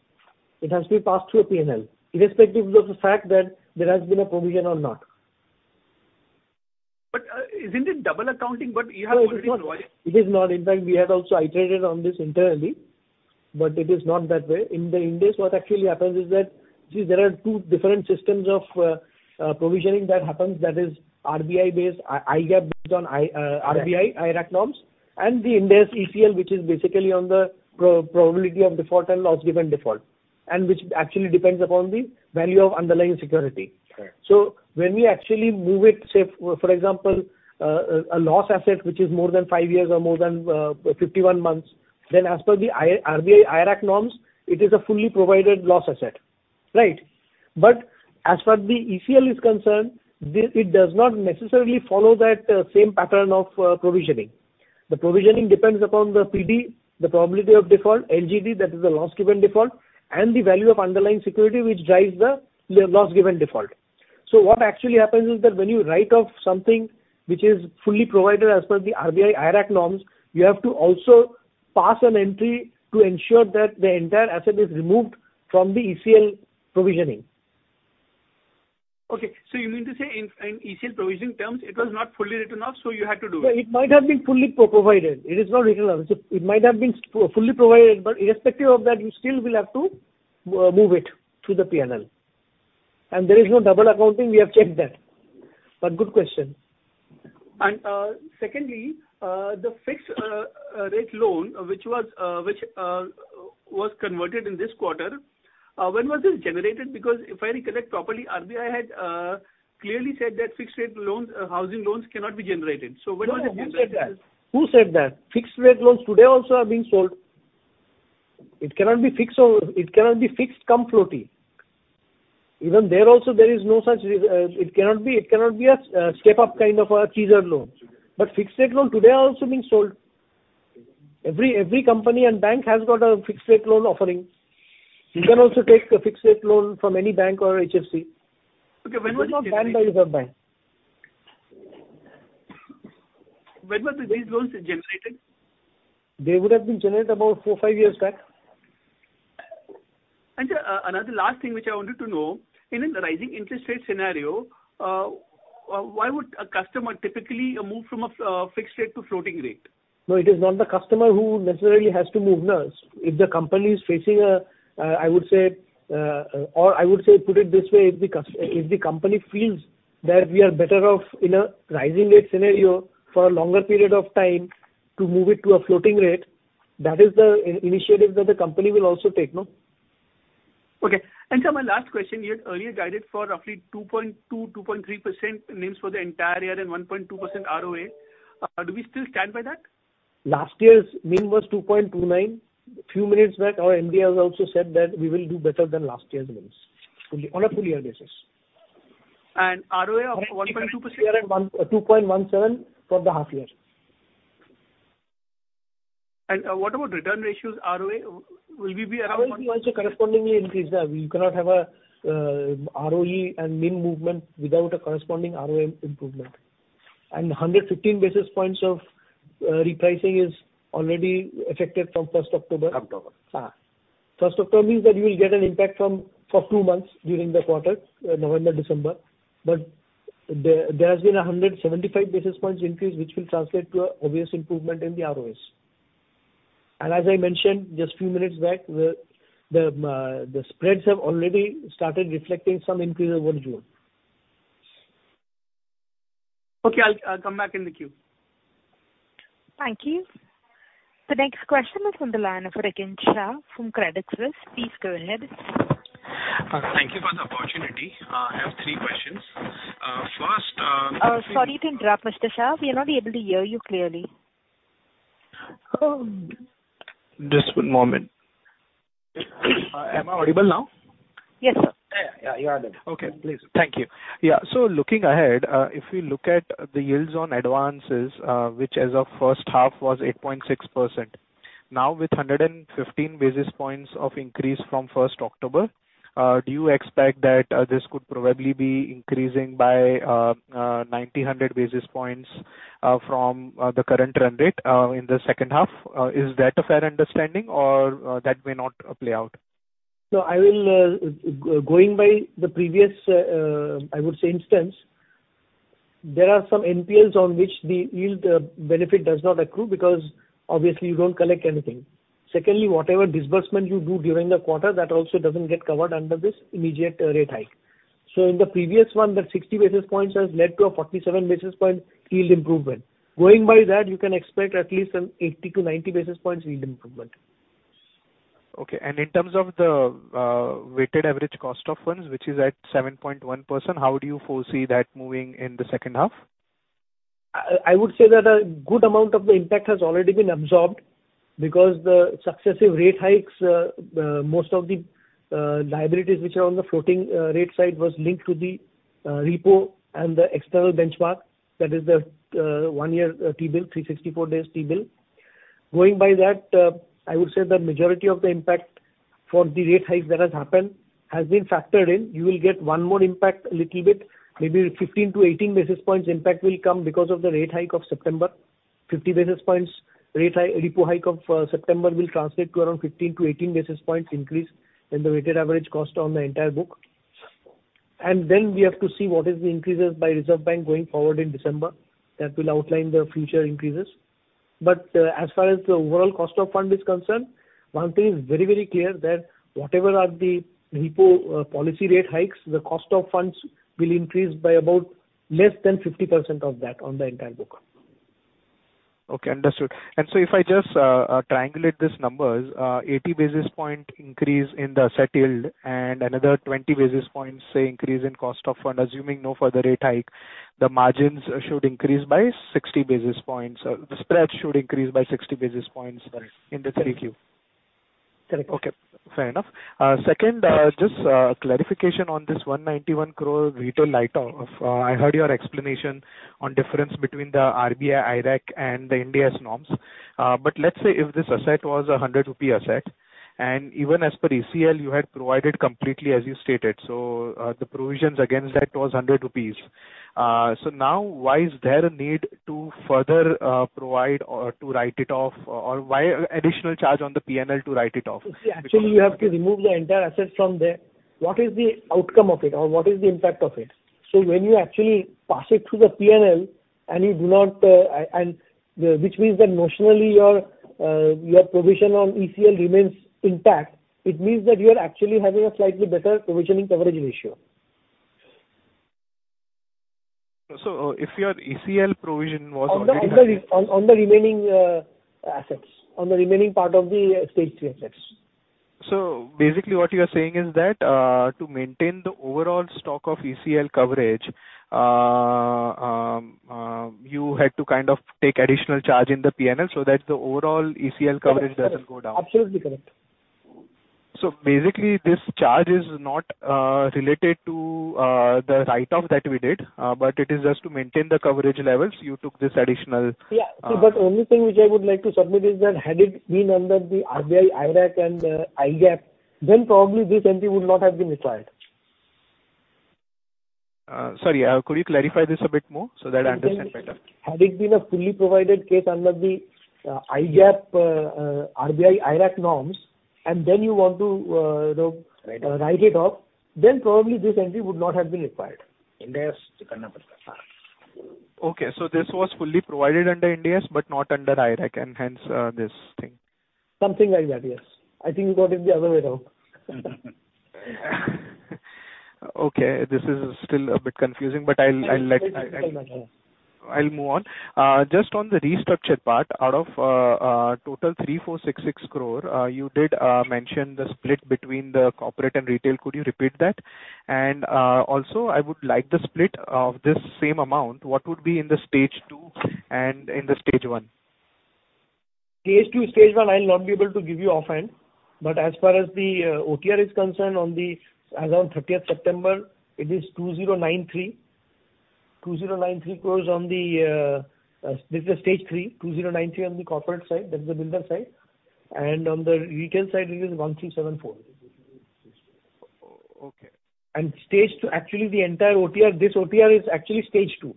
It has to be passed through a P&L, irrespective of the fact that there has been a provision or not. Isn't it double accounting, but you have already provided? No, it is not. In fact, we have also iterated on this internally, but it is not that way. In the Ind AS what actually happens is that, see there are two different systems of provisioning that happens. That is RBI based, IGAAP based on RBI IRAC norms and the Ind AS ECL, which is basically on the probability of default and loss given default, and which actually depends upon the value of underlying security. Correct. When we actually move it, say for example, a loss asset which is more than five years or more than 51 months, then as per the RBI IRAC norms, it is a fully provided loss asset, right? As per the ECL is concerned, it does not necessarily follow that same pattern of provisioning. The provisioning depends upon the PD, the probability of default, LGD, that is the loss given default, and the value of underlying security, which drives the loss given default. What actually happens is that when you write off something which is fully provided as per the RBI IRAC norms, you have to also pass an entry to ensure that the entire asset is removed from the ECL provisioning. Okay. You mean to say in ECL provisioning terms, it was not fully written off, so you had to do it? No. It might have been fully provided. It is not written off. It might have been fully provided, but irrespective of that, you still will have to move it through the P&L. There is no double accounting, we have checked that. Good question. Secondly, the fixed rate loan, which was converted in this quarter. When was this generated? Because if I recollect properly, RBI had clearly said that fixed rate loans, housing loans cannot be generated. When was this generated? No. Who said that? Fixed rate loans today also are being sold. It cannot be fixed or it cannot be fixed cum floating. Even there also is no such, it cannot be a step up kind of a teaser loan. True. Fixed rate loan today are also being sold. Every company and bank has got a fixed rate loan offering. Okay. You can also take a fixed rate loan from any bank or HFC. Okay. When was it generated? It's not banned by Reserve Bank. When was these loans generated? They would have been generated about four to five years back. another last thing which I wanted to know, in a rising interest rate scenario, why would a customer typically move from a fixed rate to floating rate? No, it is not the customer who necessarily has to move, no. If the company feels that we are better off in a rising rate scenario for a longer period of time to move it to a floating rate, that is the initiative that the company will also take. No? Okay. Sir, my last question, you had earlier guided for roughly 2.2% to 2.3% NIMs for the entire year and 1.2% RoA. Do we still stand by that? Last year's NIM was 2.29%. Few minutes back our MD has also said that we will do better than last year's NIMs on a full-year basis. RoA of 1.2%. We are at 2.17% for the half year. What about return ratios, RoA? Will we be around one? ROE will also correspondingly increase. We cannot have a ROE and NIM movement without a corresponding RoA improvement. 115 basis points of repricing is already affected from 1st October. October. First October means that you will get an impact from for two months during the quarter, November, December. But there has been a 175 basis points increase, which will translate to an obvious improvement in the RoAs. As I mentioned just few minutes back, the spreads have already started reflecting some increase over June. Okay. I'll come back in the queue. Thank you. The next question is on the line for Rikin Shah from Credit Suisse. Please go ahead. Thank you for the opportunity. I have three questions. First— Sorry to interrupt, Mr. Shah. We are not able to hear you clearly. Just one moment. Am I audible now? Yes. Yeah. You are good. Okay. Please. Thank you. Yeah. Looking ahead, if we look at the yields on advances, which as of first half was 8.6%. Now with 115 basis points of increase from first October, do you expect that this could probably be increasing by 90 to 100 basis points from the current run rate in the second half? Is that a fair understanding or that may not play out? No, going by the previous instance, there are some NPLs on which the yield benefit does not accrue because obviously you don't collect anything. Secondly, whatever disbursement you do during the quarter, that also doesn't get covered under this immediate rate hike. In the previous one, that 60 basis points has led to a 47 basis point yield improvement. Going by that, you can expect at least an 80 to 90 basis points yield improvement. Okay. In terms of the weighted average cost of funds, which is at 7.1%, how do you foresee that moving in the second half? I would say that a good amount of the impact has already been absorbed because the successive rate hikes, most of the liabilities which are on the floating rate side was linked to the repo and the external benchmark, that is the one-year T-bill, 364-day T-bill. Going by that, I would say the majority of the impact for the rate hike that has happened has been factored in. You will get one more impact a little bit. Maybe 15 to 18 basis points impact will come because of the rate hike of September. 50 basis points rate hike, repo hike of September will translate to around 15 to 18 basis points increase in the weighted average cost on the entire book. Then we have to see what is the increases by Reserve Bank going forward in December. That will outline the future increases. As far as the overall cost of fund is concerned, one thing is very, very clear that whatever are the repo policy rate hikes, the cost of funds will increase by about less than 50% of that on the entire book. Okay. Understood. If I just triangulate these numbers, 80 basis point increase in the asset yield and another 20 basis points, say, increase in cost of fund, assuming no further rate hike, the margins should increase by 60 basis points. The spread should increase by 60 basis points. Right. In the third Q. Correct. Okay. Fair enough. Second, just clarification on this 191 crore retail write-off. I heard your explanation on difference between the RBI IRAC and the Ind AS norms. But let's say if this asset was a 100-rupee asset, and even as per ECL, you had provided completely as you stated. So, the provisions against that was 100 rupees. So now why is there a need to further provide or to write it off, or why additional charge on the P&L to write it off? See, actually you have to remove the entire asset from there. What is the outcome of it? Or what is the impact of it? When you actually pass it through the P&L. Which means that notionally your provision on ECL remains intact. It means that you are actually having a slightly better provisioning coverage ratio. If your ECL provision was already. On the remaining assets, on the remaining part of the Stage 3 assets. Basically what you are saying is that, to maintain the overall stock of ECL coverage, you had to kind of take additional charge in the PNL so that the overall ECL coverage doesn't go down. Absolutely correct. Basically this charge is not related to the write-off that we did, but it is just to maintain the coverage levels you took this additional. Only thing which I would like to submit is that had it been under the RBI IRAC and IGAAP, then probably this entry would not have been required. Sorry, could you clarify this a bit more so that I understand better? Had it been a fully provided case under the IGAAP, RBI IRAC norms, and then you want to, you know, write it off, then probably this entry would not have been required. Okay. This was fully provided under Ind AS but not under IRAC, and hence, this thing. Something like that. Yes. I think you got it the other way around. Okay, this is still a bit confusing, but I'll move on. Just on the restructure part, out of total 3,466 crore, you did mention the split between the corporate and retail. Could you repeat that? Also I would like the split of this same amount, what would be in the Stage 2 and in the Stage 1. Stage 2, Stage 1, I'll not be able to give you offhand, but as far as the OTR is concerned, as on 30th September, it is 2,093. 2,093 crores, this is Stage 3, 2,093 on the corporate side, that is the builder side, and on the retail side it is 1,374. Okay. Stage 2, actually the entire OTR, this OTR is actually Stage 2.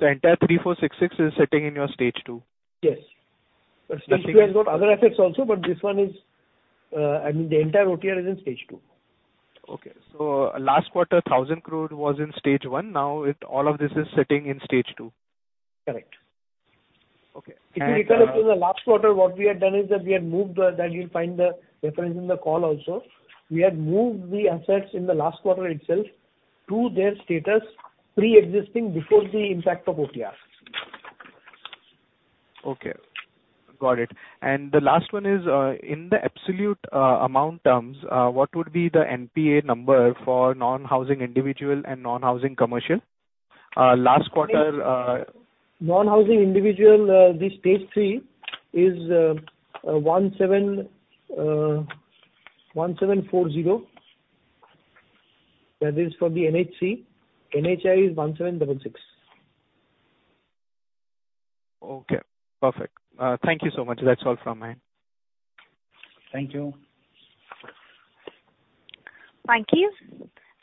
Entire 3,466 is sitting in your Stage 2? Yes. Stage 2 has got other effects also, but this one is, I mean, the entire OTR is in Stage 2. Last quarter, 1,000 crore was in Stage 1. Now all of this is sitting in Stage 2. Correct. Okay. If you recall it from the last quarter, what we had done is that you'll find the reference in the call also. We had moved the assets in the last quarter itself to their status preexisting before the impact of OTR. Okay. Got it. The last one is, in the absolute amount terms, what would be the NPA number for Non-Housing Individual and Non-Housing Commercial? Last quarter, Non-Housing Individual, the Stage 3 is 1,740. That is for the NHC. NHI is 1,766. Okay. Perfect. Thank you so much. That's all from my end. Thank you. Thank you.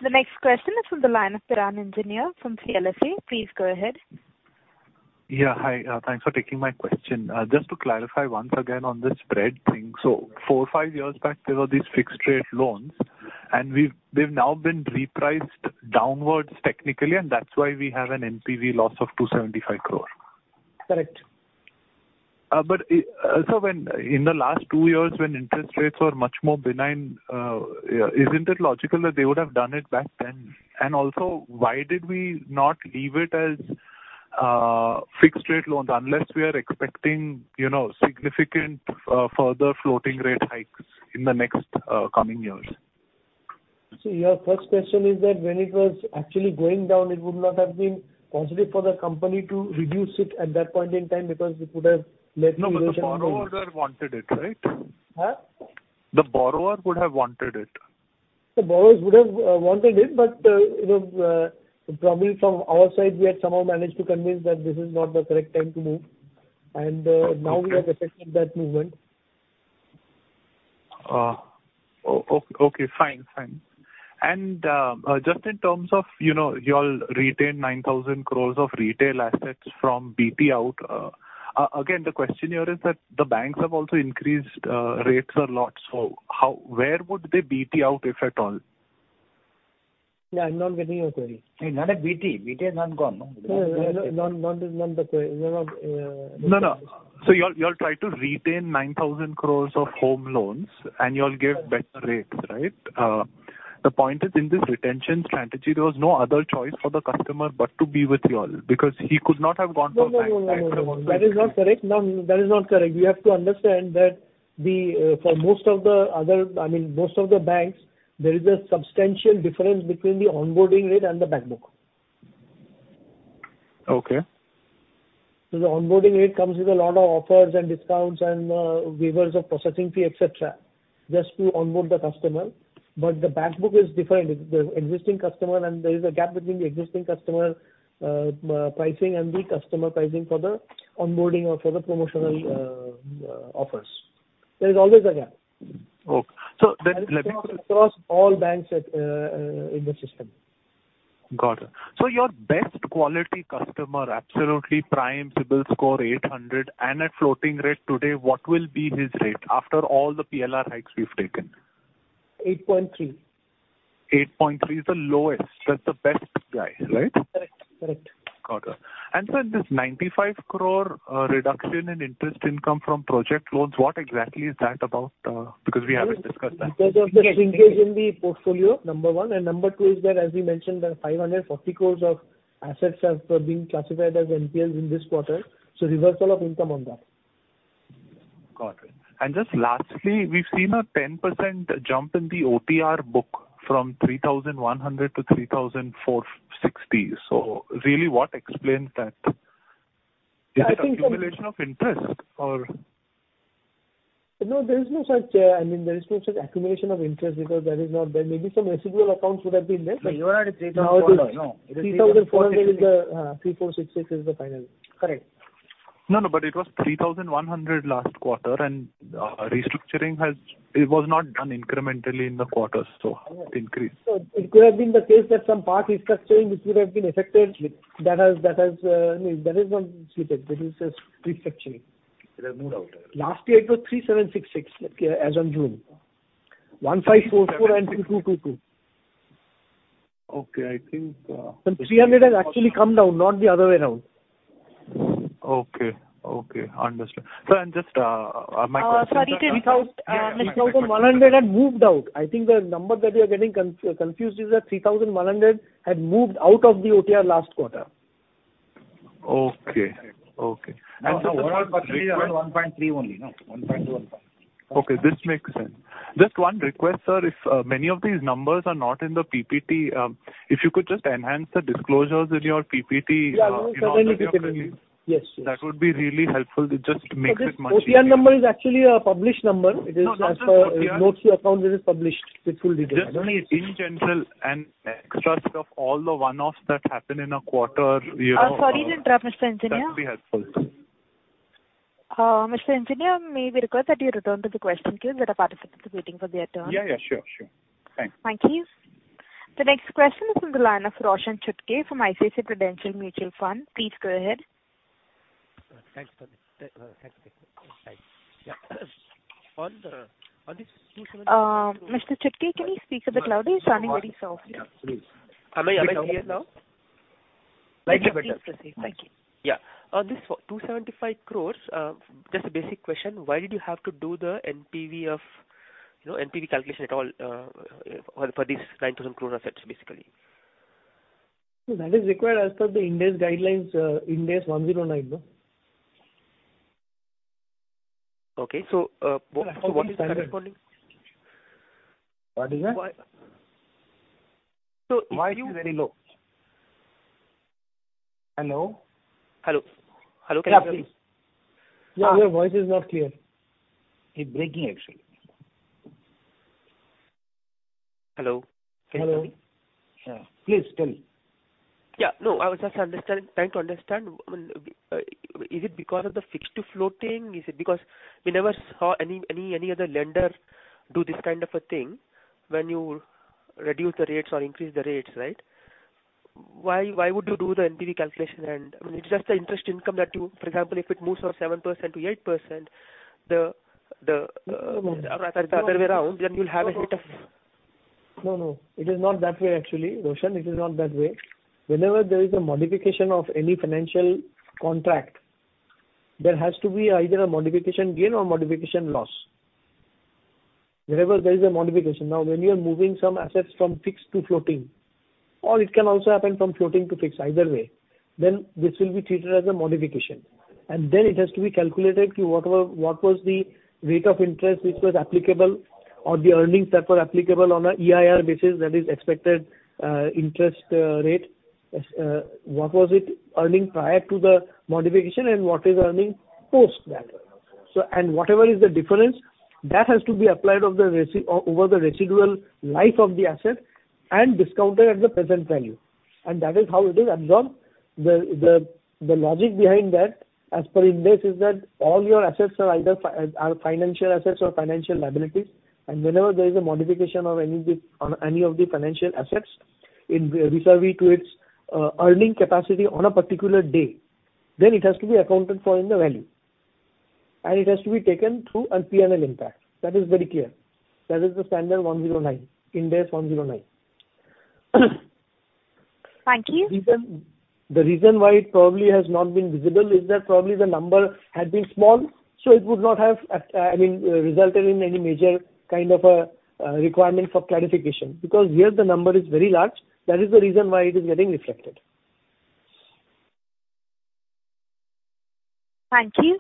The next question is from the line of Piran Engineer from CLSA. Please go ahead. Yeah. Hi. Thanks for taking my question. Just to clarify once again on the spread thing. Four or five years back, there were these fixed rate loans and they've now been repriced downwards technically, and that's why we have an NPV loss of 275 crore. Correct. When in the last two years when interest rates were much more benign, isn't it logical that they would have done it back then? Also, why did we not leave it as fixed rate loans unless we are expecting, you know, significant further floating rate hikes in the next coming years? Your first question is that when it was actually going down, it would not have been positive for the company to reduce it at that point in time because it would have led to. No, the borrower wanted it, right? Huh? The borrower would have wanted it. The borrowers would have wanted it, but you know, probably from our side we had somehow managed to convince that this is not the correct time to move. Now we have effected that movement. Okay, fine. Just in terms of, you know, y'all retain 9,000 crore of retail assets from balance transfer out. The question here is that the banks have also increased rates a lot. How, where would they balance transfer out, if at all? Yeah. I'm not getting your query. Hey, not a BT. BT has not gone, no. No, not. No. No, no. Y'all try to retain 9,000 crore of home loans and you'll give better rates, right? The point is, in this retention strategy, there was no other choice for the customer but to be with y'all because he could not have gone from bank to bank. No. That is not correct. No, that is not correct. We have to understand that the, for most of the other, I mean, most of the banks, there is a substantial difference between the onboarding rate and the back book. Okay. The onboarding rate comes with a lot of offers and discounts and waivers of processing fee, et cetera, just to onboard the customer. The back book is different. The existing customer and there is a gap between the existing customer pricing and the customer pricing for the onboarding or for the promotional offers. There is always a gap. Ok. So then let me— It's across all banks in the system. Got it. Your best quality customer, absolutely prime CIBIL score 800 and at floating rate today, what will be his rate after all the PLR hikes we've taken? 8.3. 8.3% is the lowest. That's the best guy, right? Correct. Got it. This 95 crore reduction in interest income from project loans, what exactly is that about? Because we haven't discussed that. Because of the shrinkage in the portfolio, number one. Number two is that, as we mentioned, the 540 crore of assets have been classified as NPLs in this quarter, so reversal of income on that. Got it. Just lastly, we've seen a 10% jump in the OTR book from 3,100 to 3,460. So really, what explains that? I think that. Is it accumulation of interest or? No, there is no such, I mean, there is no such accumulation of interest because that is not there. Maybe some residual accounts would have been there, but no, you are at 3,400. No. 3,400 is the 3,466 is the final. Correct. No, but it was 3,100 last quarter and restructuring has. It was not done incrementally in the quarters, so the increase. It could have been the case that some part restructuring which could have been affected. That has I mean that is not slippage. That is just restructuring. There's no doubt. Last year it was 3,766 as on June. 1,544 and 2,222. Okay. I think 300 has actually come down, not the other way around. Okay. Okay. Understood. Just my question— Sorry to interrupt. Without 100 had moved out. I think the number that we are getting confused is that 3,100 had moved out of the OTR last quarter. Okay. 1.3 only. No. 1.15. Okay, this makes sense. Just one request, sir. If many of these numbers are not in the PPT, if you could just enhance the disclosures in your PPT, that would be really helpful. It just makes it much easier. The OTR number is actually a published number. It is as per notes to account that is published with full detail. Just only in general, an extract of all the one-offs that happen in a quarter, you know. Sorry to interrupt, Mr. Engineer. That would be helpful. Mr. Engineer, may we request that you return to the question queue? There are participants waiting for their turn. Yeah, yeah. Sure, sure. Thanks. Thank you. The next question is on the line of Roshan Chutkey from ICICI Prudential Mutual Fund. Please go ahead. Thanks for that. Thanks. Yeah. On this 27— Mr. Chutke, can you speak to the mic? You're sounding very soft. Yeah, please. Am I clear now? Yes, please proceed. Thank you. Yeah. On this 275 crore, just a basic question. Why did you have to do the NPV of, you know, NPV calculation at all, for this 9,000 crore assets, basically? That is required as per the Ind AS guidelines, Ind AS 109, no? Okay. So what is the corresponding? What is that? Voice is very low. Hello? Hello? Hello, can you hear me? Yeah. Your voice is not clear. He's breaking actually. Hello? Can you hear me? Hello. Yeah. Please tell me. Yeah. No, I was just understanding, trying to understand, is it because of the fixed to floating? Is it because we never saw any other lender do this kind of a thing when you reduce the rates or increase the rates, right? Why would you do the NPV calculation? I mean, it's just the interest income that you—for example, if it moves from 7% to 8%, the other way around, then you'll have a hit of— No, no. It is not that way, actually, Roshan. It is not that way. Whenever there is a modification of any financial contract, there has to be either a modification gain or Modification Loss. Wherever there is a modification. Now, when you are moving some assets from fixed to floating, or it can also happen from floating to fixed, either way, then this will be treated as a modification, and then it has to be calculated to whatever, what was the rate of interest which was applicable or the earnings that were applicable on a EIR basis. That is expected interest rate. What was it earning prior to the modification and what it is earning post that? Whatever is the difference, that has to be applied over the residual life of the asset and discounted at the present value. That is how it is absorbed. The logic behind that, as per Ind AS, is that all your assets are either financial assets or financial liabilities. Whenever there is a modification of any of the financial assets vis-a-vis to its earning capacity on a particular day, then it has to be accounted for in the value. It has to be taken through a P&L impact. That is very clear. That is the standard 109. Ind AS 109. Thank you. The reason why it probably has not been visible is that probably the number had been small, so it would not have, I mean, resulted in any major kind of a requirement for clarification. Because here the number is very large. That is the reason why it is getting reflected. Thank you.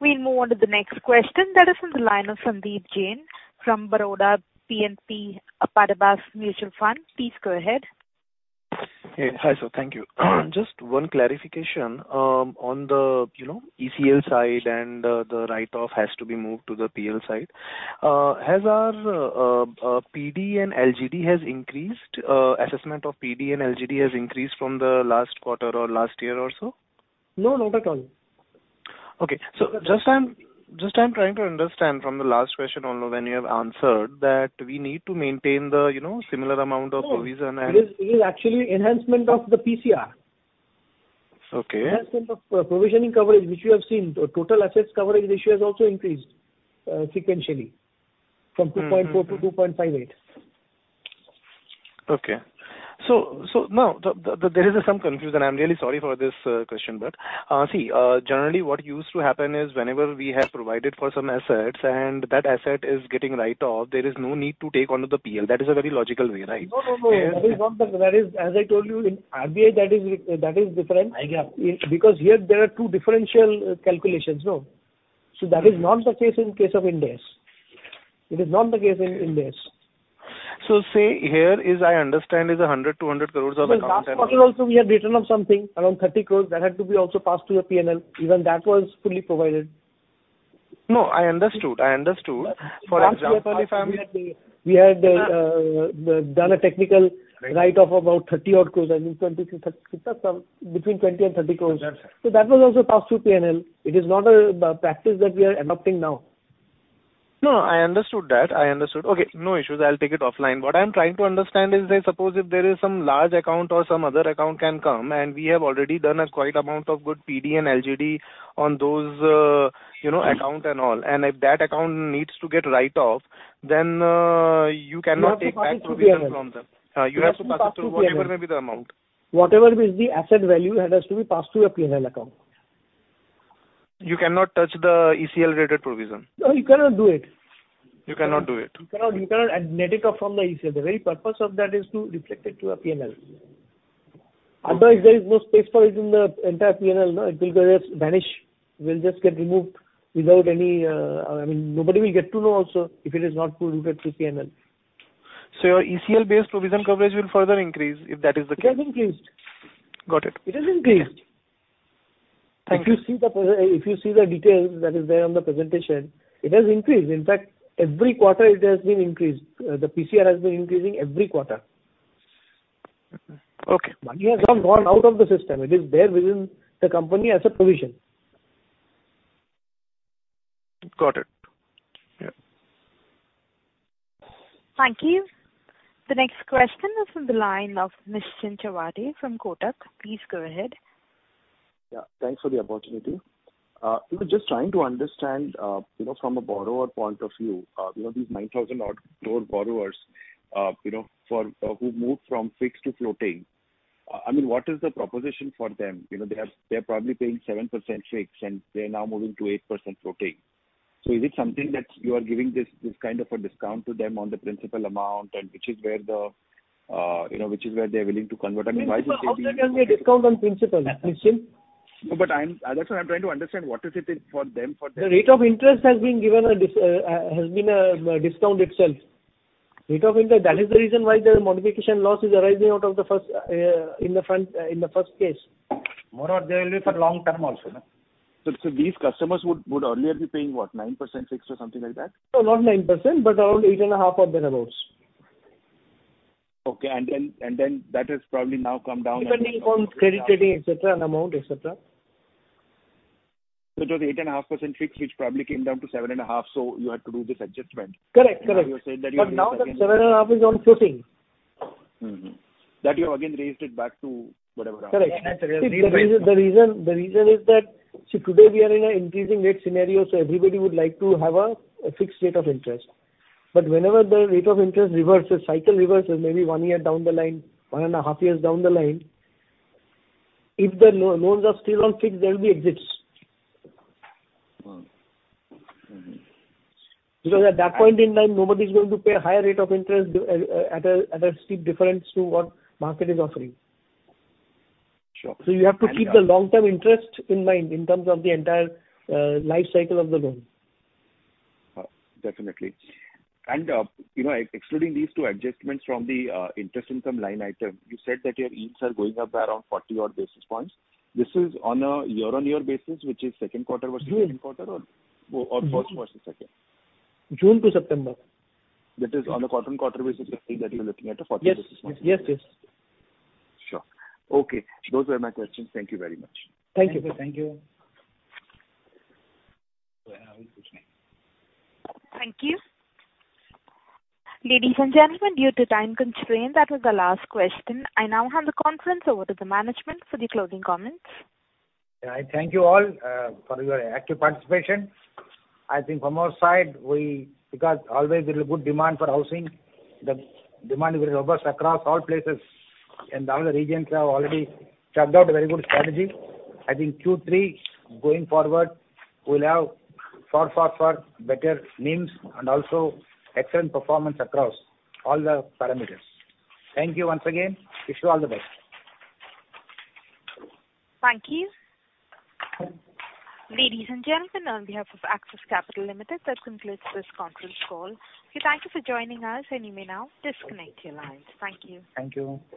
We move on to the next question. That is on the line of Sandeep Jain from Baroda BNP Paribas Mutual Fund. Please go ahead. Hey. Hi, sir. Thank you. Just one clarification on the you know ECL side and the write-off has to be moved to the P&L side. Has the assessment of PD and LGD increased from the last quarter or last year or so? No, not at all. Okay. I'm just trying to understand from the last question on when you have answered that we need to maintain the, you know, similar amount of provision and. No. It is actually enhancement of the PCR. Okay. We have some of provisioning coverage which you have seen. The total assets coverage ratio has also increased sequentially from 2.4 to 2.58. Now there is some confusion. I'm really sorry for this question but see, generally what used to happen is whenever we have provided for some assets and that asset is getting written off, there is no need to take onto the PL. That is a very logical way, right? No, no. That is, as I told you, in RBI, that is different. I get. Because here there are two differential calculations. No. That is not the case in case of Ind AS. It is not the case in Ind AS. I understand INR 100 to 200 crores of amount and— In the last quarter, we also had written off something around 30 crores that had to be also passed through your PNL. Even that was fully provided. No, I understood. For example, if I'm— We had done a technical write-off about 30-odd crore. I think some between 20 crore and 30 crore. Yes, sir. that was also passed through PNL. It is not a practice that we are adopting now. No, I understood that. Okay, no issues. I'll take it offline. What I'm trying to understand is that suppose if there is some large account or some other account can come, and we have already done a quite amount of good PD and LGD on those, you know, account and all. If that account needs to get write-off, then, you cannot take back provisioning from them. You have to pass it to PNL. You have to pass it through whatever may be the amount. Whatever is the asset value that has to be passed through your PNL account. You cannot touch the ECL related provision. No, you cannot do it. You cannot do it. You cannot net it off from the ECL. The very purpose of that is to reflect it to your PNL. Otherwise, there is no space for it in the entire PNL, no. It will just vanish. It will just get removed without any, I mean, nobody will get to know also if it is not pulled into PNL. Your ECL based provision coverage will further increase if that is the case. It has increased. Got it. It has increased. Thank you. If you see the details that is there on the presentation, it has increased. In fact, every quarter it has been increased. The PCR has been increasing every quarter. Okay. Money has not gone out of the system. It is there within the company as a provision. Got it. Yeah. Thank you. The next question is from the line of Mr. Nischint Chawathe from Kotak. Please go ahead. Yeah, thanks for the opportunity. We were just trying to understand, you know, from a borrower point of view, you know, these 9,000-odd core borrowers, you know, for who moved from fixed to floating. I mean, what is the proposition for them? You know, they are probably paying 7% fixed, and they are now moving to 8% floating. Is it something that you are giving this kind of a discount to them on the principal amount and which is where they're willing to convert. I mean, why should they— How can there be a discount on principal, Mr. Nischint? No, that's what I'm trying to understand. What's in it for them. The rate of interest has been given a discount itself. That is the reason why the Modification Loss is arising in the first place, more of they'll live for long-term also, no? These customers would earlier be paying what? 9% fixed or something like that? No, not 9%, but around 8.5% or thereabouts. Okay. That has probably now come down. Depending on credit rating, et cetera, and amount, et cetera. It was 8.5% fixed, which probably came down to 7.5%, so you had to do this adjustment. Correct. Now you're saying that you— Now that 7.5 is on floating. That you have again raised it back to whatever amount. Correct. Yeah, that's really— The reason is that, see, today we are in an increasing rate scenario, so everybody would like to have a fixed rate of interest. But whenever the rate cycle reverses, maybe one year down the line, one and a half years down the line, if the loans are still on fixed, there will be exits. Because at that point in time, nobody's going to pay a higher rate of interest at a steep difference to what the market is offering. Sure. You have to keep the long-term interest in mind in terms of the entire, life cycle of the loan. Definitely. You know, excluding these two adjustments from the interest income line item, you said that your earnings are going up by around 40-odd basis points. This is on a year-on-year basis, which is second quarter versus second quarter or first versus second? June to September. That is on a current quarter basis, I think that you're looking at a 40 basis point. Yes. Sure. Okay. Those were my questions. Thank you very much. Thank you. Thank you. Thank you. Ladies and gentlemen, due to time constraint, that was the last question. I now hand the conference over to the management for the closing comments. I thank you all for your active participation. I think from our side, because always there's a good demand for housing, the demand is very robust across all places, and all the regions have already chalked out a very good strategy. I think Q3 going forward will have far better NIMs and also excellent performance across all the parameters. Thank you once again. Wish you all the best. Thank you. Ladies and gentlemen, on behalf of Axis Capital Limited, that concludes this conference call. Thank you for joining us and you may now disconnect your lines. Thank you. Thank you.